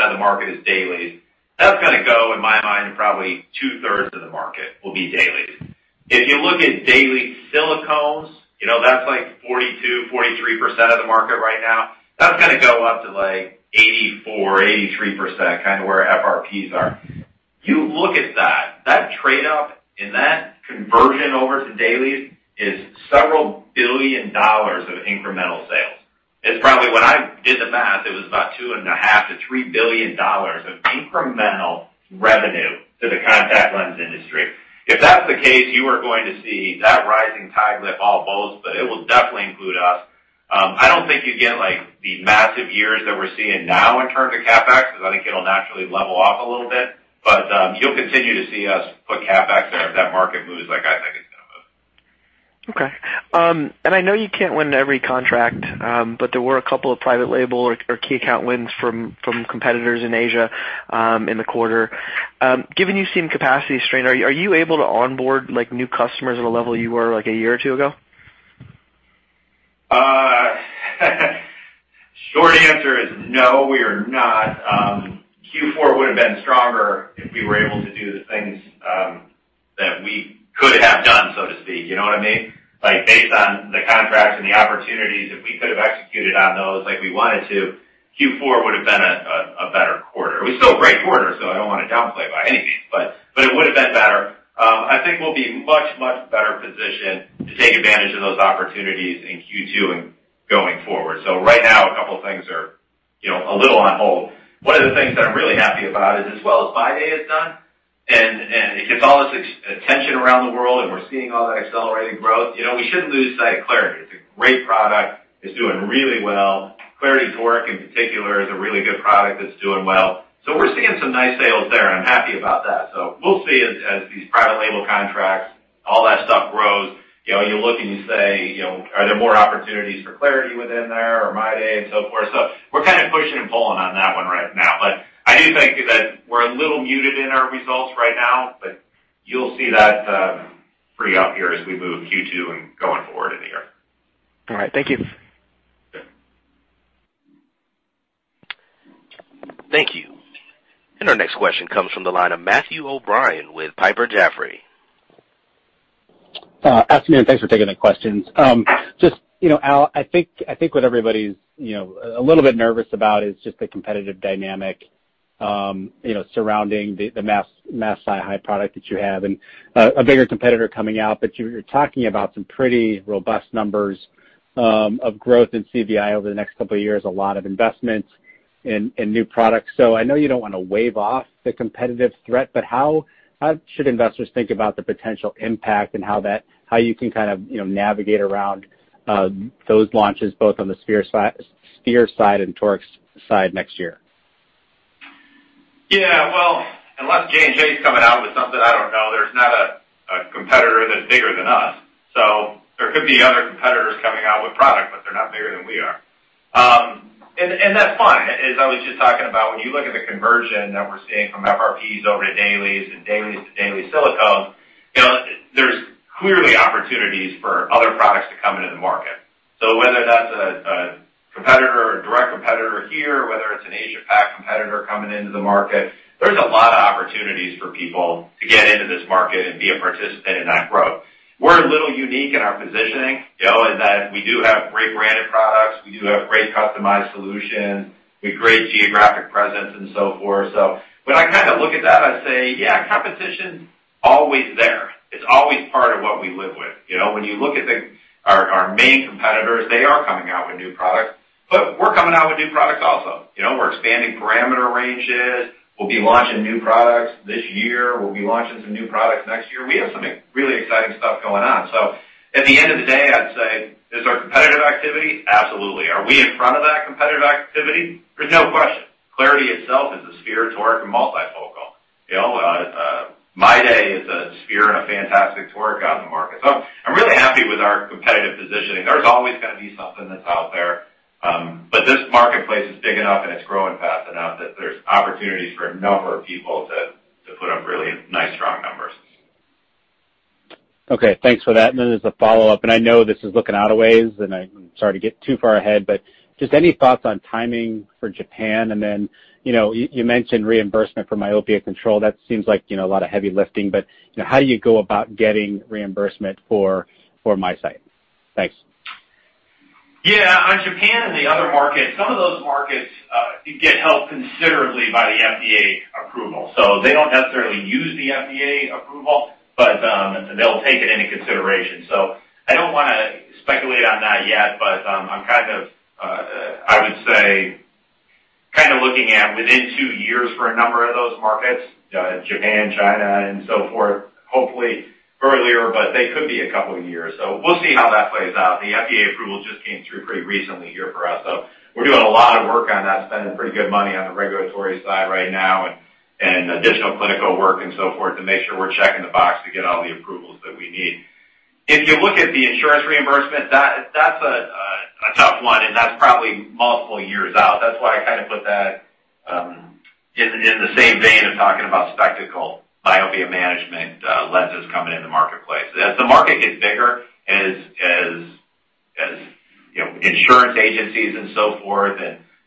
of the market is dailies. That's going to go, in my mind, probably two-thirds of the market will be dailies. If you look at daily silicones, that's like 42%, 43% of the market right now. That's going to go up to like 84% or 83%, kind of where FRPs are. You look at that trade up and that conversion over to dailies is several billion dollars of incremental sales. It's probably, when I did the math, it was about $2.5 billion-$3 billion of incremental revenue to the contact lens industry. If that's the case, you are going to see that rising tide lift all boats, but it will definitely include us. I don't think you get the massive years that we're seeing now in terms of CapEx, because I think it'll naturally level off a little bit. But you'll continue to see us put CapEx there if that market moves like I think it's going to move.
Okay. I know you can't win every contract, but there were a couple of private label or key account wins from competitors in Asia in the quarter. Given you've seen capacity strain, are you able to onboard new customers at a level you were like a year or two ago?
Short answer is no, we are not. Q4 would've been stronger if we were able to do the things that we could have done, so to speak. You know what I mean? Based on the contracts and the opportunities, if we could've executed on those like we wanted to, Q4 would've been a better quarter. It was still a great quarter, so I don't want to downplay it by any means, but it would've been better. I think we'll be much, much better positioned to take advantage of those opportunities in Q2 and going forward. Right now, a couple things are a little on hold. One of the things that I'm really happy about is as well as MyDay has done, and with all this attention around the world, and we're seeing all that accelerated growth, we shouldn't lose sight of clariti. It's a great product. It's doing really well. Clariti toric in particular is a really good product that's doing well. We're seeing some nice sales there, and I'm happy about that. We'll see as these private label contracts, all that stuff grows, you look and you say, "Are there more opportunities for clariti within there or MyDay and so forth?" We're kind of pushing and pulling on that one right now. I do think that we're a little muted in our results right now, but you'll see that free up here as we move Q2 and going forward in the year.
All right. Thank you.
Sure.
Thank you. Our next question comes from the line of Matthew O'Brien with Piper Jaffray.
Afternoon, thanks for taking the questions. Just, Al, I think what everybody's a little bit nervous about is just the competitive dynamic surrounding the mass SiHy product that you have and a bigger competitor coming out. You're talking about some pretty robust numbers of growth in CVI over the next couple of years, a lot of investments in new products. I know you don't want to wave off the competitive threat, but how should investors think about the potential impact, and how you can kind of navigate around those launches, both on the sphere side toric's side next year?
Yeah. Well, unless J&J's coming out with something I don't know, there's not a competitor that's bigger than us. There could be other competitors coming out with product, but they're not bigger than we are. That's fine. As I was just talking about, when you look at the conversion that we're seeing from FRPs over to dailies and dailies to daily silicone, there's clearly opportunities for other products to come into the market. Whether that's a competitor, a direct competitor here, whether it's an Asia-Pac competitor coming into the market, there's a lot of opportunities for people to get into this market and be a participant in that growth. We're a little unique in our positioning in that we do have great branded products, we do have great customized solutions, we have great geographic presence and so forth. When I kind of look at that, I say, yeah, competition's always there. It's always part of what we live with. When you look at our main competitors, they are coming out with new products, but we're coming out with new products also. We're expanding parameter ranges. We'll be launching new products this year. We'll be launching some new products next year. We have some really exciting stuff going on. At the end of the day, I'd say, is there competitive activity? Absolutely. Are we in front of that competitive activity? There's no question. clariti itself is a sphere, toric, and multifocal. MyDay is a sphere and a fantastic toric on the market. I'm really happy with our competitive positioning. There's always going to be something that's out there. This marketplace is big enough and it's growing fast enough that there's opportunities for a number of people to put up really nice, strong numbers.
Okay, thanks for that. As a follow-up, I know this is looking out a ways, and I'm sorry to get too far ahead, but just any thoughts on timing for Japan? You mentioned reimbursement for myopia control. That seems like a lot of heavy lifting, but how do you go about getting reimbursement for MiSight? Thanks.
Yeah. On Japan and the other markets, some of those markets get helped considerably by the FDA approval. They don't necessarily use the FDA approval, but they'll take it into consideration. I don't want to speculate on that yet, but I would say, I'm looking at within two years for a number of those markets, Japan, China, and so forth, hopefully earlier, but they could be a couple of years. We'll see how that plays out. The FDA approval just came through pretty recently here for us, so we're doing a lot of work on that, spending pretty good money on the regulatory side right now and additional clinical work and so forth to make sure we're checking the box to get all the approvals that we need. If you look at the insurance reimbursement, that's a tough one, and that's probably multiple years out. That's why I put that in the same vein of talking about spectacle myopia management lenses coming in the marketplace. As the market gets bigger, as insurance agencies and so forth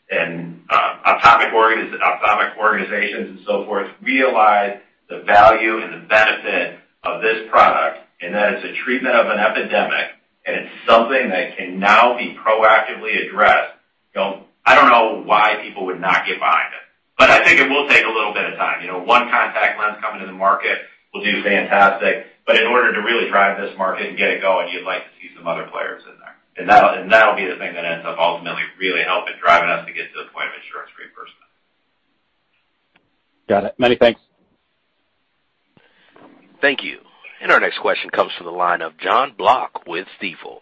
and ophthalmic organizations and so forth realize the value and the benefit of this product, and that it's a treatment of an epidemic, and it's something that can now be proactively addressed, I don't know why people would not get behind it. I think it will take a little bit of time. One contact lens coming to the market will do fantastic, but in order to really drive this market and get it going, you'd like to see some other players in there. That'll be the thing that ends up ultimately really helping, driving us to get to the point of insurance reimbursement.
Got it. Many thanks.
Thank you. Our next question comes from the line of Jon Block with Stifel.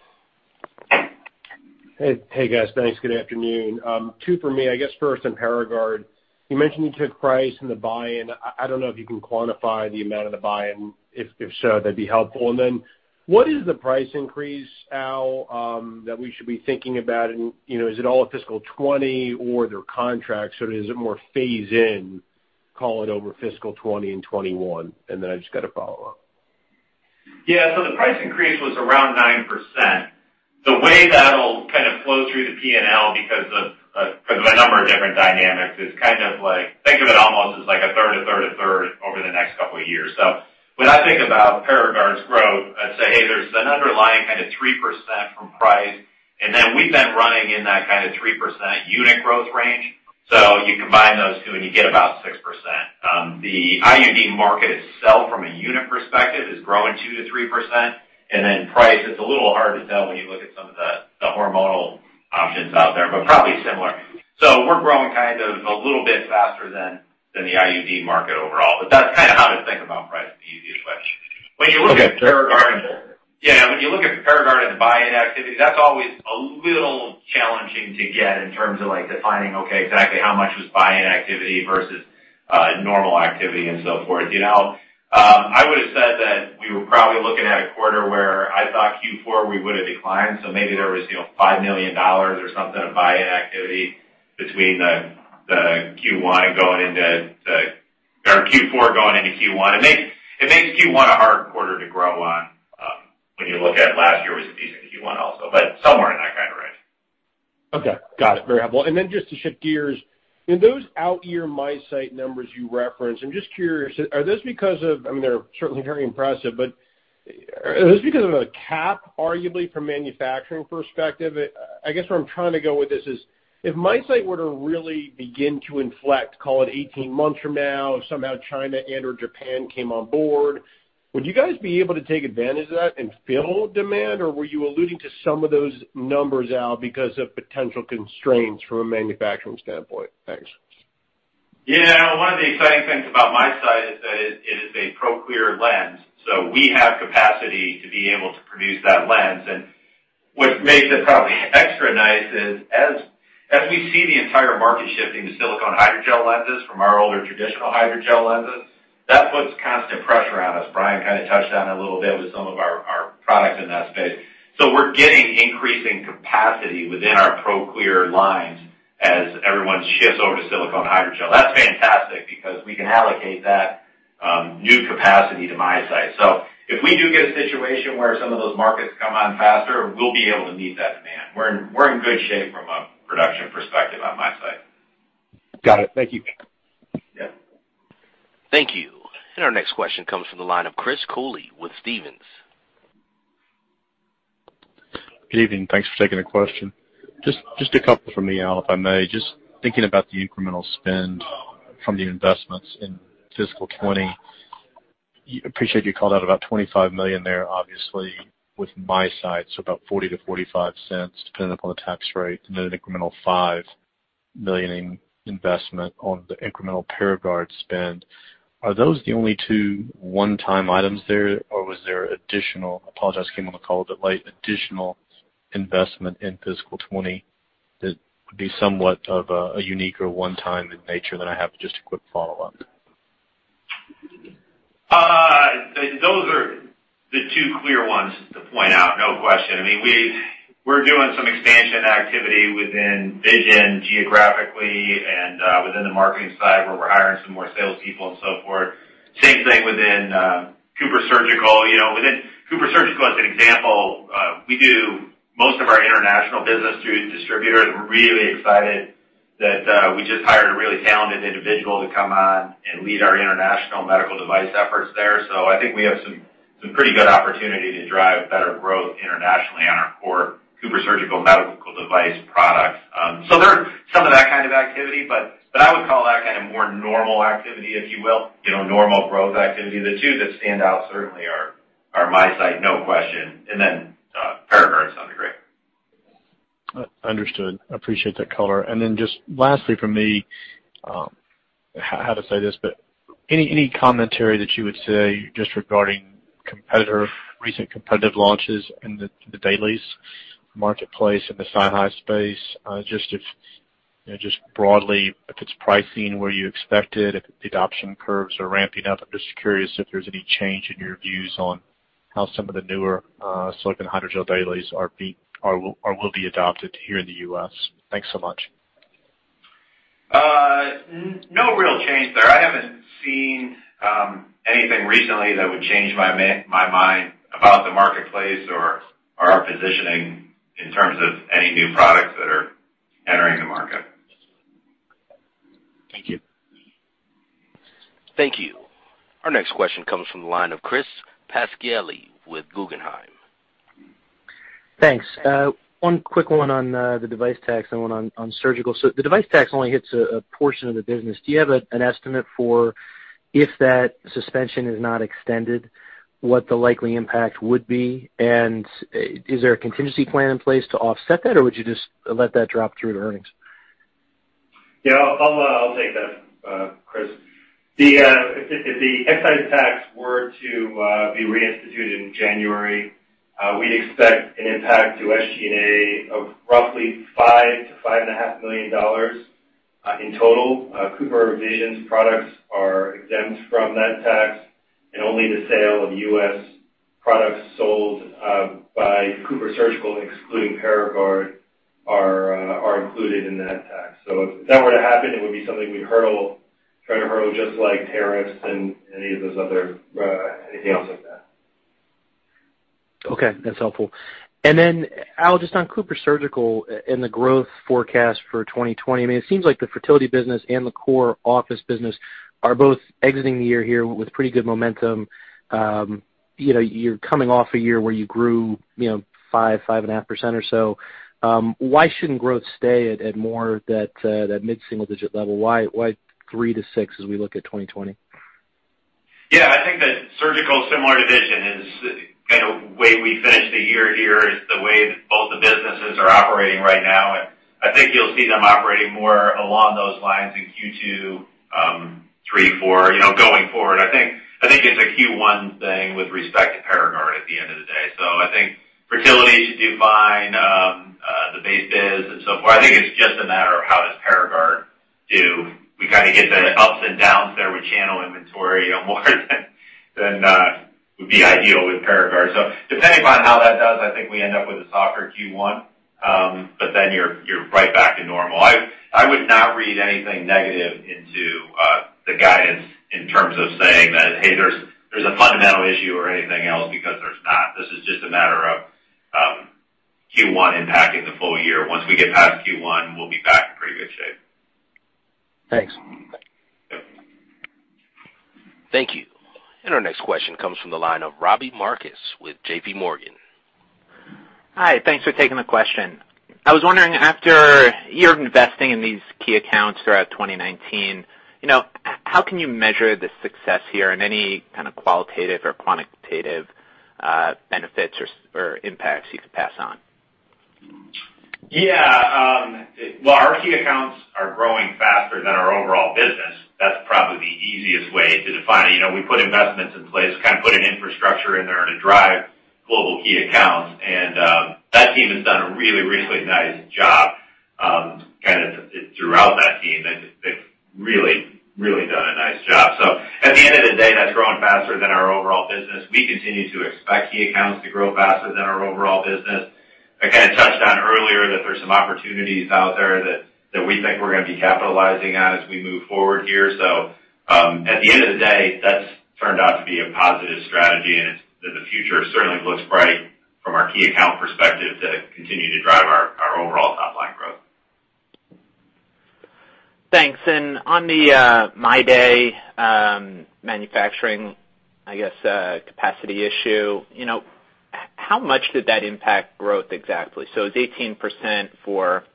Hey, guys. Thanks. Good afternoon. Two for me. I guess first on PARAGARD. You mentioned you took price in the buy-in. I don't know if you can quantify the amount of the buy-in. If so, that'd be helpful. What is the price increase, Al, that we should be thinking about? Is it all a fiscal 2020 or their contract? Is it more phase in, call it over fiscal 2020 and 2021? I've just got a follow-up.
The price increase was around 9%. The way that'll kind of flow through the P&L, because of a number of different dynamics, is kind of like, think of it almost as like a third, a third, a third over the next couple of years. When I think about PARAGARD's growth, I'd say, hey, there's an underlying kind of 3% from price. We've been running in that kind of 3% unit growth range. You combine those two, and you get about 6%. The IUD market itself from a unit perspective is growing 2%-3%. Price, it's a little hard to tell when you look at some of the hormonal options out there, but probably similar. We're growing kind of a little bit faster than the IUD market overall. That's kind of how to think about price the easiest way.
Okay.
When you look at PARAGARD and buy-in activity, that's always a little challenging to get in terms of defining, okay, exactly how much was buy-in activity versus normal activity and so forth. I would've said that we were probably looking at a quarter where I thought Q4 we would've declined, so maybe there was $5 million or something of buy-in activity between the Q4 going into Q1. It makes Q1 a hard quarter to grow on, when you look at last year was a decent Q1 also, but somewhere in that kind of range.
Okay. Got it. Very helpful. Just to shift gears. In those out-year MiSight numbers you referenced, I mean, they're certainly very impressive, but is this because of a cap, arguably, from manufacturing perspective? I guess where I'm trying to go with this is, if MiSight were to really begin to inflect, call it 18 months from now, if somehow China and/or Japan came on board, would you guys be able to take advantage of that and fill demand, or were you alluding to some of those numbers, Al, because of potential constraints from a manufacturing standpoint? Thanks.
Yeah. One of the exciting things about MiSight is that it is a Proclear lens, so we have capacity to be able to produce that lens. What makes it probably extra nice is, as we see the entire market shifting to silicone hydrogel lenses from our older traditional hydrogel lenses, that puts constant pressure on us. Brian kind of touched on it a little bit with some of our products in that space. We're getting increasing capacity within our Proclear lines as everyone shifts over to silicone hydrogel. That's fantastic because we can allocate that new capacity to MiSight. If we do get a situation where some of those markets come on faster, we'll be able to meet that demand. We're in good shape from a production perspective on MiSight.
Got it. Thank you.
Yeah.
Thank you. Our next question comes from the line of Chris Cooley with Stephens.
Good evening. Thanks for taking the question. Just a couple from me, Al, if I may. Just thinking about the incremental spend from the investments in fiscal 2020. Appreciate you called out about $25 million there, obviously with MiSight, so about $0.40-$0.45, depending upon the tax rate, and then an incremental $5 million in investment on the incremental PARAGARD spend. Are those the only two one-time items there, or was there additional, apologize, came on the call a bit late, additional investment in fiscal 2020 that would be somewhat of a unique or one-time in nature that I have just a quick follow-up?
Those are the two clear ones to point out, no question. I mean, we're doing some expansion activity within vision geographically and within the marketing side where we're hiring some more salespeople and so forth. Same thing within CooperSurgical. Within CooperSurgical as an example, we do most of our international business through distributors. We're really excited that we just hired a really talented individual to come on and lead our international medical device efforts there. I think we have some pretty good opportunity to drive better growth internationally on our core CooperSurgical medical device products. There's some of that kind of activity, but I would call that kind of more normal activity, if you will, normal growth activity. The two that stand out certainly are MiSight, no question, and then PARAGARD to some degree.
Understood. Appreciate that color. Just lastly from me, how to say this, but any commentary that you would say just regarding recent competitive launches in the dailies marketplace, in the SiHy space, just broadly if it's pricing where you expected, if the adoption curves are ramping up? I'm just curious if there's any change in your views on how some of the newer silicone hydrogel dailies are being, or will be adopted here in the U.S.? Thanks so much.
No real change there. I haven't seen anything recently that would change my mind about the marketplace or our positioning in terms of any new products that are entering the market.
Thank you.
Thank you. Our next question comes from the line of Chris Pasquale with Guggenheim.
Thanks. One quick one on the device tax and one on CooperSurgical. The device tax only hits a portion of the business. Do you have an estimate for if that suspension is not extended, what the likely impact would be? Is there a contingency plan in place to offset that, or would you just let that drop through to earnings?
Yeah, I'll take that, Chris. If the excise tax were to be reinstituted in January, we'd expect an impact to SG&A of roughly $5 million-$5.5 million in total. CooperVision's products are exempt from that tax, only the sale of U.S. products sold by CooperSurgical, excluding PARAGARD, are included in that tax. If that were to happen, it would be something we'd try to hurdle, just like tariffs and any of those other, anything else like that.
Okay, that's helpful. Al, just on CooperSurgical and the growth forecast for 2020, it seems like the fertility business and the core office business are both exiting the year here with pretty good momentum. You're coming off a year where you grew 5%, 5.5% or so. Why shouldn't growth stay at more that mid-single-digit level? Why 3%-6% as we look at 2020?
Yeah, I think that surgical is similar to vision, is kind of the way we finished the year here is the way that both the businesses are operating right now. I think you'll see them operating more along those lines in Q2, Q3, Q4, going forward. I think it's a Q1 thing with respect to PARAGARD at the end of the day. I think fertility should do fine, the base biz and so forth. I think it's just a matter of how does PARAGARD do. We kind of get the ups and downs there with channel inventory more than would be ideal with PARAGARD. Depending upon how that does, I think we end up with a softer Q1, but then you're right back to normal. I would not read anything negative into the guidance in terms of saying that, "Hey, there's a fundamental issue," or anything else, because there's not. This is just a matter of Q1 impacting the full year. Once we get past Q1, we'll be back in pretty good shape.
Thanks.
Thank you. Our next question comes from the line of Robbie Marcus with JPMorgan.
Hi. Thanks for taking the question. I was wondering, after a year of investing in these key accounts throughout 2019, how can you measure the success here and any kind of qualitative or quantitative benefits or impacts you could pass on?
Yeah. Well, our key accounts are growing faster than our overall business. That's probably the easiest way to define it. We put investments in place, kind of put an infrastructure in there to drive global key accounts, and that team has done a really nice job kind of throughout that team. They've really done a nice job. At the end of the day, that's growing faster than our overall business. We continue to expect key accounts to grow faster than our overall business. I kind of touched on earlier that there's some opportunities out there that we think we're going to be capitalizing on as we move forward here. At the end of the day, that's turned out to be a positive strategy, and the future certainly looks bright from our key account perspective to continue to drive our overall top-line growth.
Thanks. On the MyDay manufacturing, I guess, capacity issue, how much did that impact growth exactly? It's 18% for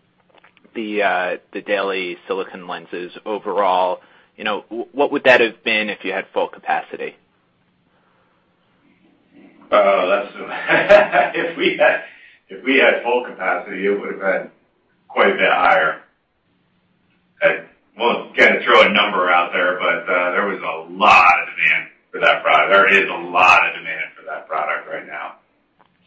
the daily silicone lenses overall. What would that have been if you had full capacity?
If we had full capacity, it would've been quite a bit higher. I won't kind of throw a number out there. There was a lot of demand for that product. There is a lot of demand for that product right now.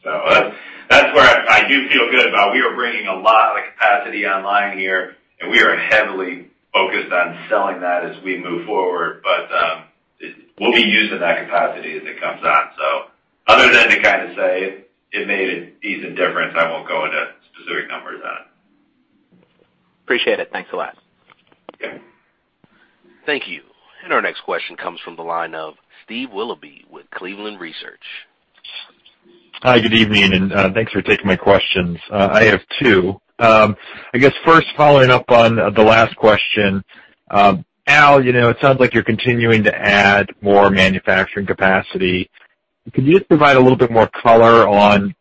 That's where I do feel good about. We are bringing a lot of the capacity online here, and we are heavily focused on selling that as we move forward. We'll be using that capacity as it comes on. Other than to kind of say it made a decent difference, I won't go into specific numbers on it.
Appreciate it. Thanks a lot.
Thank you. Our next question comes from the line of Steve Willoughby with Cleveland Research.
Hi, good evening, and thanks for taking my questions. I have two. I guess first, following up on the last question. Al, it sounds like you're continuing to add more manufacturing capacity. Could you just provide a little bit more color on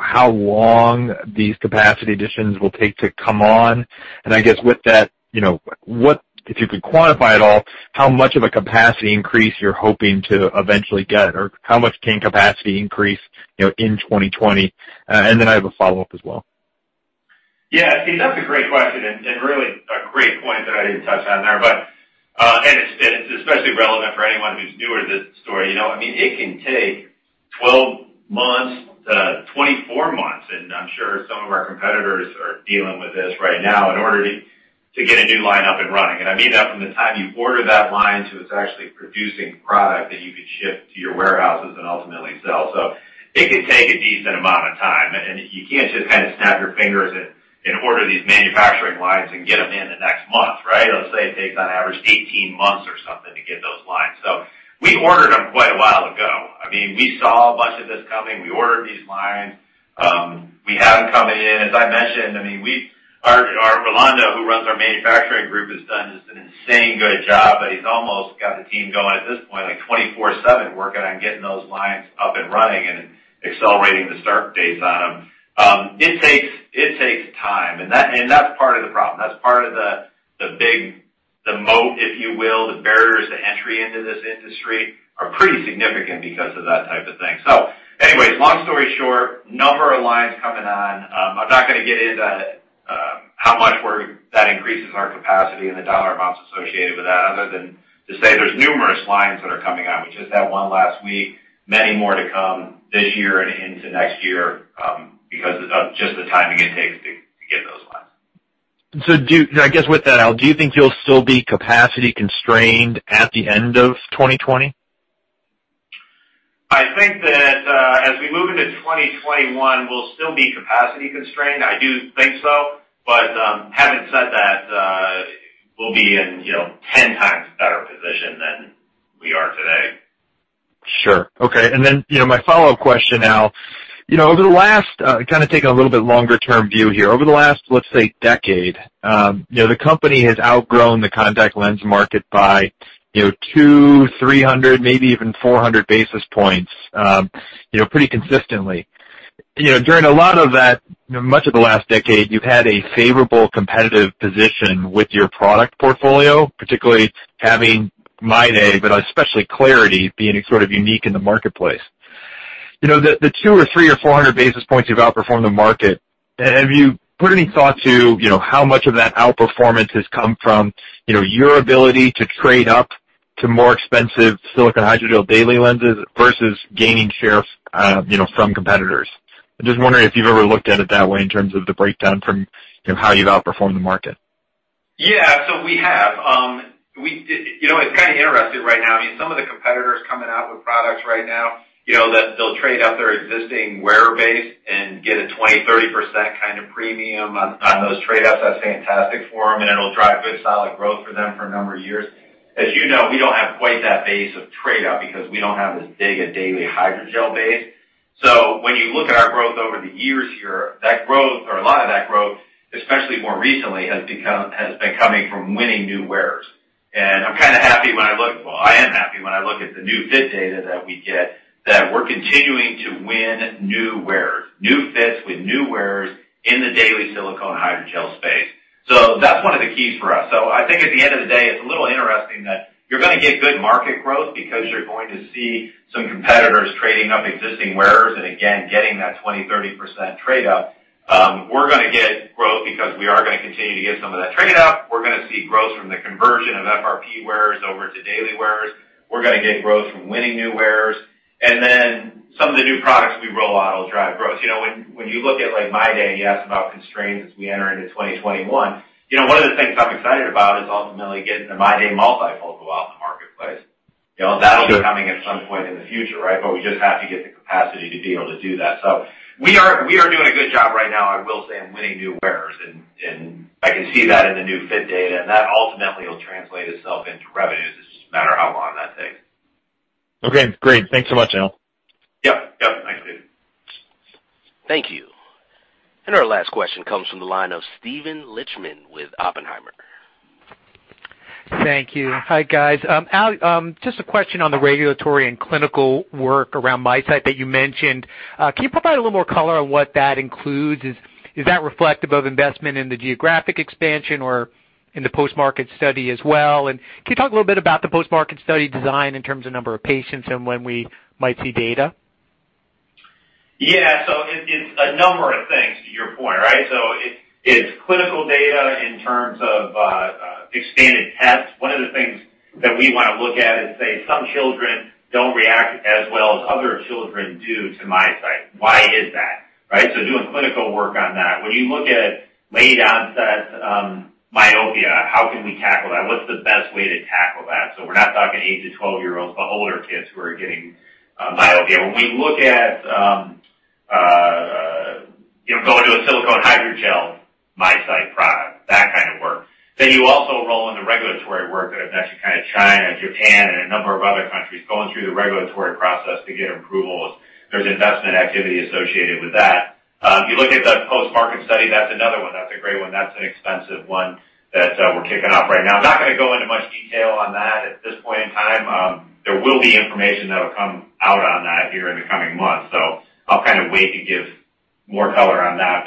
how long these capacity additions will take to come on? I guess with that, if you could quantify at all how much of a capacity increase you're hoping to eventually get, or how much can capacity increase in 2020? I have a follow-up as well.
Yeah, Steve, that's a great question and really a great point that I didn't touch on there, and it's especially relevant for anyone who's newer to the story. It can take 12 months-24 months, and I'm sure some of our competitors are dealing with this right now in order to get a new line up and running. I mean that from the time you order that line till it's actually producing product that you can ship to your warehouses and ultimately sell. It can take a decent amount of time, and you can't just kind of snap your fingers and order these manufacturing lines and get them in the next month, right? Let's say it takes on average 18 months or something to get those lines. We ordered them quite a while ago. We saw a bunch of this coming. We ordered these lines. We have them coming in. As I mentioned, Rolando, who runs our manufacturing group, has done just an insanely good job, but he's almost got the team going at this point, like 24/7, working on getting those lines up and running and accelerating the start dates on them. It takes time, and that's part of the problem. That's part of the moat, if you will. The barriers to entry into this industry are pretty significant because of that type of thing. Anyways, long story short, a number of lines coming on. I'm not going to get into how much that increases our capacity and the dollar amounts associated with that, other than to say there's numerous lines that are coming on. We just had one last week. Many more to come this year and into next year because of just the timing it takes to get those lines.
I guess with that, Al, do you think you'll still be capacity constrained at the end of 2020?
I think that as we move into 2021, we'll still be capacity constrained. I do think so. Having said that, we'll be in 10x better position than we are today.
Sure. My follow-up question, Al. Kind of taking a little bit longer-term view here. Over the last, let's say, decade, the company has outgrown the contact lens market by 200 basis points, 300 basis points, maybe even 400 basis points pretty consistently. During a lot of that, much of the last decade, you've had a favorable competitive position with your product portfolio, particularly having MyDay, but especially clariti being sort of unique in the marketplace. The 200 basis points or 300 basis points or 400 basis points you've outperformed the market, have you put any thought to how much of that outperformance has come from your ability to trade up to more expensive silicone hydrogel daily lenses versus gaining share from competitors? I'm just wondering if you've ever looked at it that way in terms of the breakdown from how you've outperformed the market.
Yeah, we have. It's kind of interesting right now. Some of the competitors coming out with products right now, that they'll trade up their existing wearer base and get a 20%, 30% kind of premium on those trade-ups. That's fantastic for them, and it'll drive good solid growth for them for a number of years. As you know, we don't have quite that base of trade-up because we don't have as big a daily hydrogel base. When you look at our growth over the years here, that growth or a lot of that growth, especially more recently, has been coming from winning new wearers. Well, I am happy when I look at the New Fit Data that we get, that we're continuing to win new wearers, New Fits with new wearers in the daily silicone hydrogel space. That's one of the keys for us. I think at the end of the day, it's a little interesting that you're going to get good market growth because you're going to see some competitors trading up existing wearers and again, getting that 20%, 30% trade-up. We're going to get growth because we are going to continue to get some of that trade-up. We're going to see growth from the conversion of FRP wearers over to daily wearers. We're going to get growth from winning new wearers, and then some of the new products we roll out will drive growth. When you look at MyDay and you ask about constraints as we enter into 2021, one of the things I'm excited about is ultimately getting the MyDay multifocal out in the marketplace. That'll be coming at some point in the future, but we just have to get the capacity to be able to do that. We are doing a good job right now, I will say, in winning new wearers, and I can see that in the New Fit Data, and that ultimately will translate itself into revenues. It's just a matter of how long that takes.
Okay, great. Thanks so much, Al.
Yep. Thanks, Steve.
Thank you. Our last question comes from the line of Steven Lichtman with Oppenheimer.
Thank you. Hi, guys. Al, just a question on the regulatory and clinical work around MiSight that you mentioned. Can you provide a little more color on what that includes? Is that reflective of investment in the geographic expansion or in the post-market study as well? Can you talk a little bit about the post-market study design in terms of number of patients and when we might see data?
It's a number of things to your point, right? It's clinical data in terms of expanded tests. One of the things that we want to look at is, say, some children don't react as well as other children do to MiSight. Why is that, right? Doing clinical work on that. When you look at late onset myopia, how can we tackle that? What's the best way to tackle that? We're not talking eight to 12-year-olds, but older kids who are getting myopia. When we look at going to a silicone hydrogel MiSight product, that kind of work. You also roll in the regulatory work that in Mexico, China, Japan and a number of other countries, going through the regulatory process to get approvals. There's investment activity associated with that. If you look at the post-market study, that's another one. That's a great one. That's an expensive one that we're kicking off right now. I'm not going to go into much detail on that at this point in time. There will be information that will come out on that here in the coming months. I'll kind of wait to give more color on that.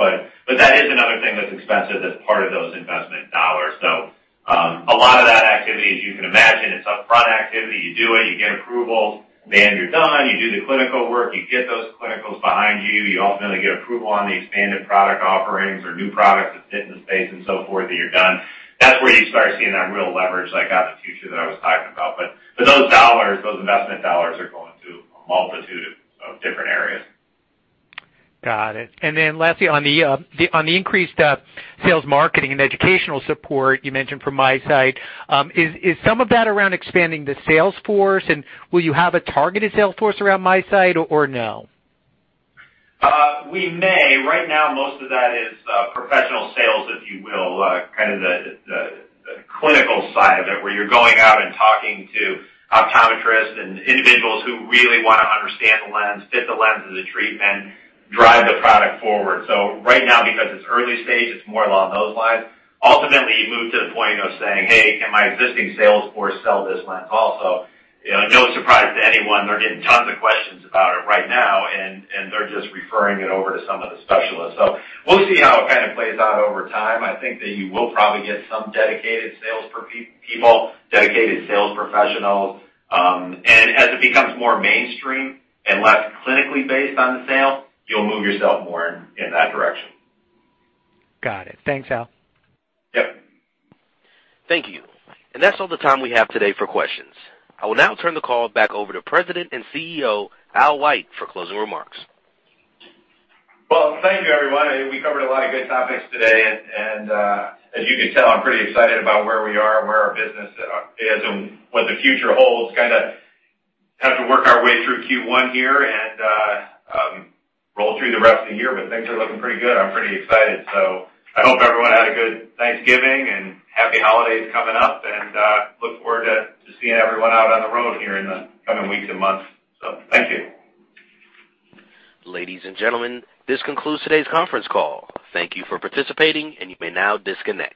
That is another thing that's expensive that's part of those investment dollars. A lot of that. You can imagine it's upfront activity. You do it, you get approvals, then you're done. You do the clinical work, you get those clinicals behind you. You ultimately get approval on the expanded product offerings or new products that fit in the space and so forth, then you're done. That's where you start seeing that real leverage out in the future that I was talking about. Those investment dollars are going to a multitude of different areas.
Got it. Lastly, on the increased sales, marketing, and educational support you mentioned for MiSight, is some of that around expanding the sales force, and will you have a targeted sales force around MiSight or no?
We may. Right now, most of that is professional sales, if you will, kind of the clinical side of it, where you're going out and talking to optometrists and individuals who really want to understand the lens, fit the lens as a treatment, drive the product forward. Right now, because it's early stage, it's more along those lines. Ultimately, you move to the point of saying, "Hey, can my existing sales force sell this lens also?" No surprise to anyone, they're getting tons of questions about it right now, and they're just referring it over to some of the specialists. We'll see how it kind of plays out over time. I think that you will probably get some dedicated sales people, dedicated sales professionals. As it becomes more mainstream and less clinically based on the sale, you'll move yourself more in that direction.
Got it. Thanks, Al.
Yep.
Thank you. That's all the time we have today for questions. I will now turn the call back over to President and CEO, Al White, for closing remarks.
Well, thank you everyone. We covered a lot of good topics today, and as you can tell, I'm pretty excited about where we are, where our business is, and what the future holds. Kind of have to work our way through Q1 here and roll through the rest of the year, but things are looking pretty good. I'm pretty excited. I hope everyone had a good Thanksgiving and happy holidays coming up, and look forward to seeing everyone out on the road here in the coming weeks and months. Thank you.
Ladies and gentlemen, this concludes today's conference call. Thank you for participating, and you may now disconnect.